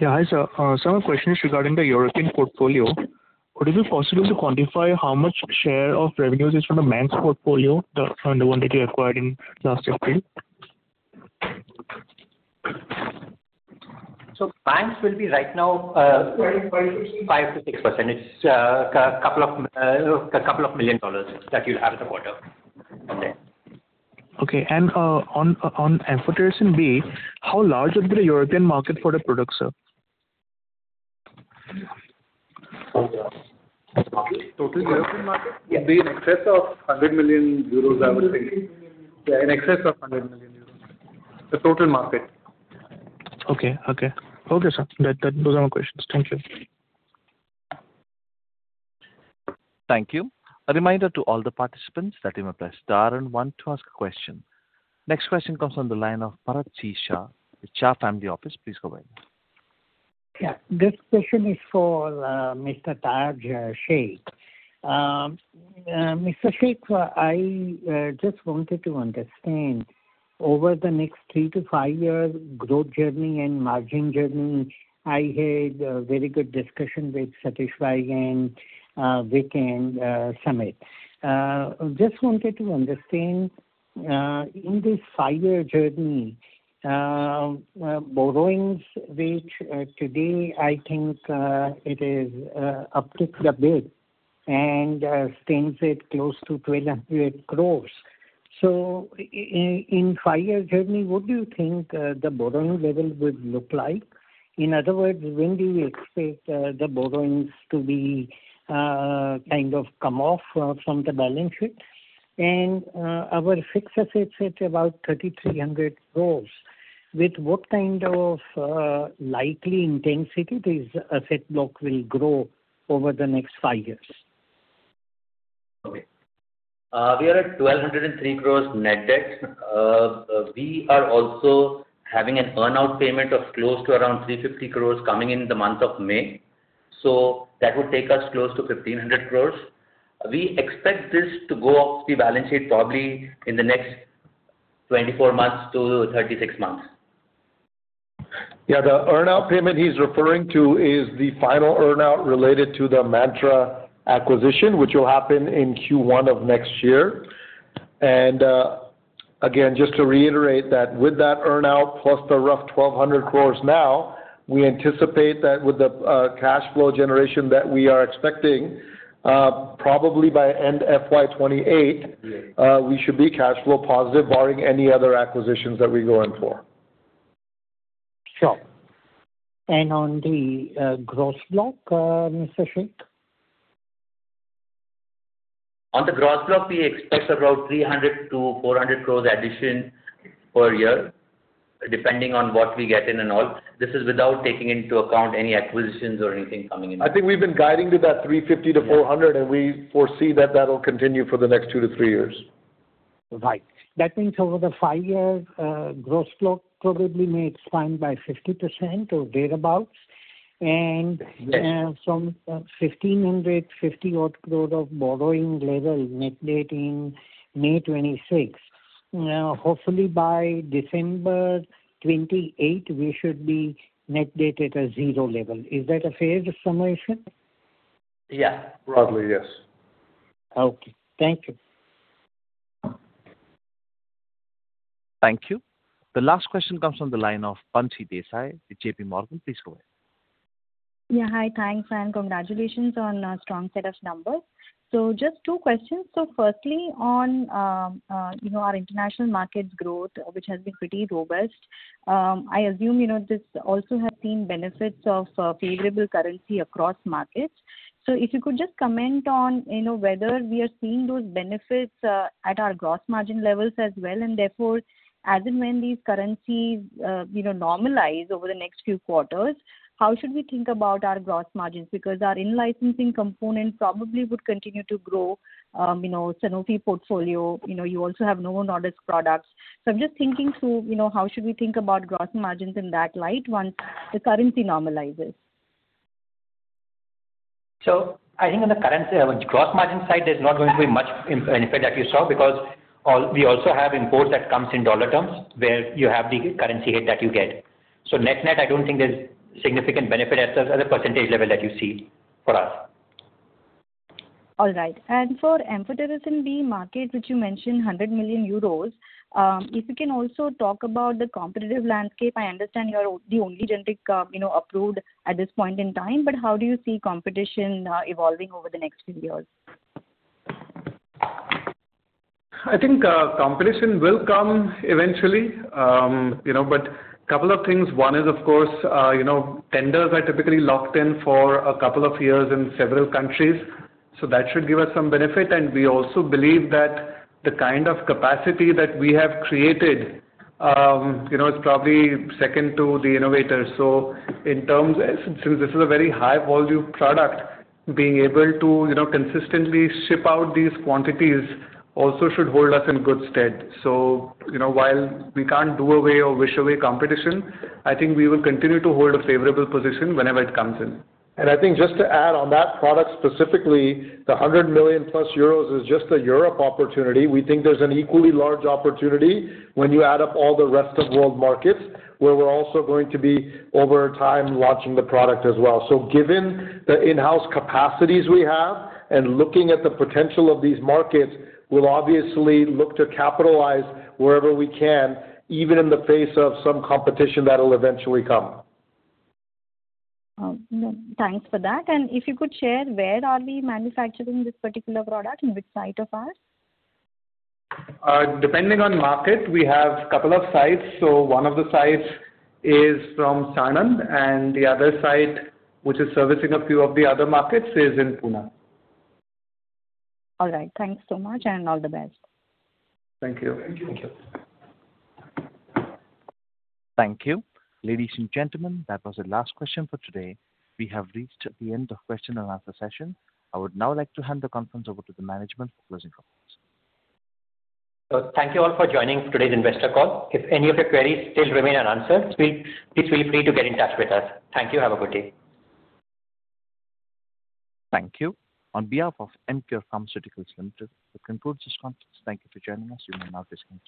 Speaker 12: Yeah, hi, sir. So my question is regarding the European portfolio. Would it be possible to quantify how much share of revenues is from the Manx portfolio, the one that you acquired in last April?
Speaker 2: Manx will be right now 5%-6%. It's a couple of million dollars that you'll have in the quarter. Okay. Okay, and on Amphotericin B, how large would be the European market for the product, sir?
Speaker 6: Total European market will be in excess of 100,000,000 euros, I would say. Yeah, in excess of 100,000,000 euros, the total market. Okay. Okay. Okay, sir. That, those are my questions. Thank you.
Speaker 1: Thank you. A reminder to all the participants that you may press star one to ask a question. Next question comes from the line of Bharat C. Shah, with Shah Family Office. Please go ahead.
Speaker 8: Yeah, this question is for Mr. Tajuddin Shaikh. Mr. Shaikh, I just wanted to understand, over the next three to five years, growth journey and margin journey. I had a very good discussion with Satish Mehta, Vikas Thapar, and Samit Mehta. I just wanted to understand, in this five-year journey, borrowings, which today, I think, it is up to the hilt and stands at close to 1,200 crore. So in five-year journey, what do you think the borrowing level would look like? In other words, when do you expect the borrowings to be kind of come off from the balance sheet? And our fixed assets at about 3,300 crore, with what kind of likely intensity this asset block will grow over the next five years?
Speaker 2: Okay. We are at 1,203 crores net debt. We are also having an earn out payment of close to around 350 crores coming in the month of May, so that would take us close to 1,500 crores. We expect this to go off the balance sheet probably in the next 24-36 months.
Speaker 6: Yeah, the earn-out payment he's referring to is the final earn-out related to the Mantra acquisition, which will happen in Q1 of next year. Again, just to reiterate that with that earn-out plus the roughly 1,200 crores now, we anticipate that with the cash flow generation that we are expecting, probably by end FY 2028-
Speaker 2: Yeah.
Speaker 6: We should be cash flow positive, barring any other acquisitions that we go in for.
Speaker 8: Sure. On the gross block, Mr. Shaikh?
Speaker 2: On the gross block, we expect about 300-400 crore addition per year, depending on what we get in and all. This is without taking into account any acquisitions or anything coming in.
Speaker 6: I think we've been guiding to that 350-400-
Speaker 2: Yeah.
Speaker 6: - and we foresee that that will continue for the next 2-3 years.
Speaker 8: Right. That means over the five years, gross block probably may expand by 50% or thereabout.
Speaker 2: Yes.
Speaker 8: From 1,550 odd crore of borrowing level, net debt in May 2026. Hopefully by December 2028, we should be net debt at a zero level. Is that a fair summation?
Speaker 2: Yeah.
Speaker 6: Probably, yes.
Speaker 8: Okay. Thank you.
Speaker 1: Thank you. The last question comes from the line of Bansi Desai with J.P. Morgan. Please go ahead.
Speaker 13: Yeah, hi. Thanks, and congratulations on a strong set of numbers. So just two questions. So firstly, on, you know, our international markets growth, which has been pretty robust, I assume, you know, this also has seen benefits of, favorable currency across markets. So if you could just comment on, you know, whether we are seeing those benefits, at our gross margin levels as well, and therefore, as and when these currencies, you know, normalize over the next few quarters, how should we think about our gross margins? Because our in-licensing component probably would continue to grow, you know, Sanofi portfolio, you know, you also have Novo Nordisk products. So I'm just thinking through, you know, how should we think about gross margins in that light once the currency normalizes?
Speaker 2: So I think on the currency, gross margin side, there's not going to be much benefit that you saw, because we also have imports that comes in dollar terms, where you have the currency hit that you get. So net-net, I don't think there's significant benefit at a percentage level that you see for us.
Speaker 13: All right. And for Amphotericin B market, which you mentioned 100,000,000 euros, if you can also talk about the competitive landscape. I understand you are the only generic, you know, approved at this point in time, but how do you see competition, evolving over the next few years?... I think, competition will come eventually, you know, but couple of things. One is, of course, you know, tenders are typically locked in for a couple of years in several countries, so that should give us some benefit. And we also believe that the kind of capacity that we have created, you know, it's probably second to the innovators. So in terms, since this is a very high-volume product, being able to, you know, consistently ship out these quantities also should hold us in good stead. So, you know, while we can't do away or wish away competition, I think we will continue to hold a favorable position whenever it comes in.
Speaker 6: I think just to add on that product, specifically, the 100,000,000+ euros is just a Europe opportunity. We think there's an equally large opportunity when you add up all the rest of world markets, where we're also going to be, over time, launching the product as well. Given the in-house capacities we have and looking at the potential of these markets, we'll obviously look to capitalize wherever we can, even in the face of some competition that will eventually come.
Speaker 13: Thanks for that. If you could share, where are we manufacturing this particular product, in which site of ours? Depending on market, we have couple of sites. So one of the sites is from Sanand, and the other site, which is servicing a few of the other markets, is in Pune. All right. Thanks so much, and all the best. Thank you.
Speaker 6: Thank you.
Speaker 1: Thank you. Ladies and gentlemen, that was the last question for today. We have reached the end of question and answer session. I would now like to hand the conference over to the management for closing comments.
Speaker 2: Thank you all for joining today's investor call. If any of your queries still remain unanswered, please feel free to get in touch with us. Thank you. Have a good day.
Speaker 1: Thank you. On behalf of Emcure Pharmaceuticals Limited, this concludes this conference. Thank you for joining us. You may now disconnect.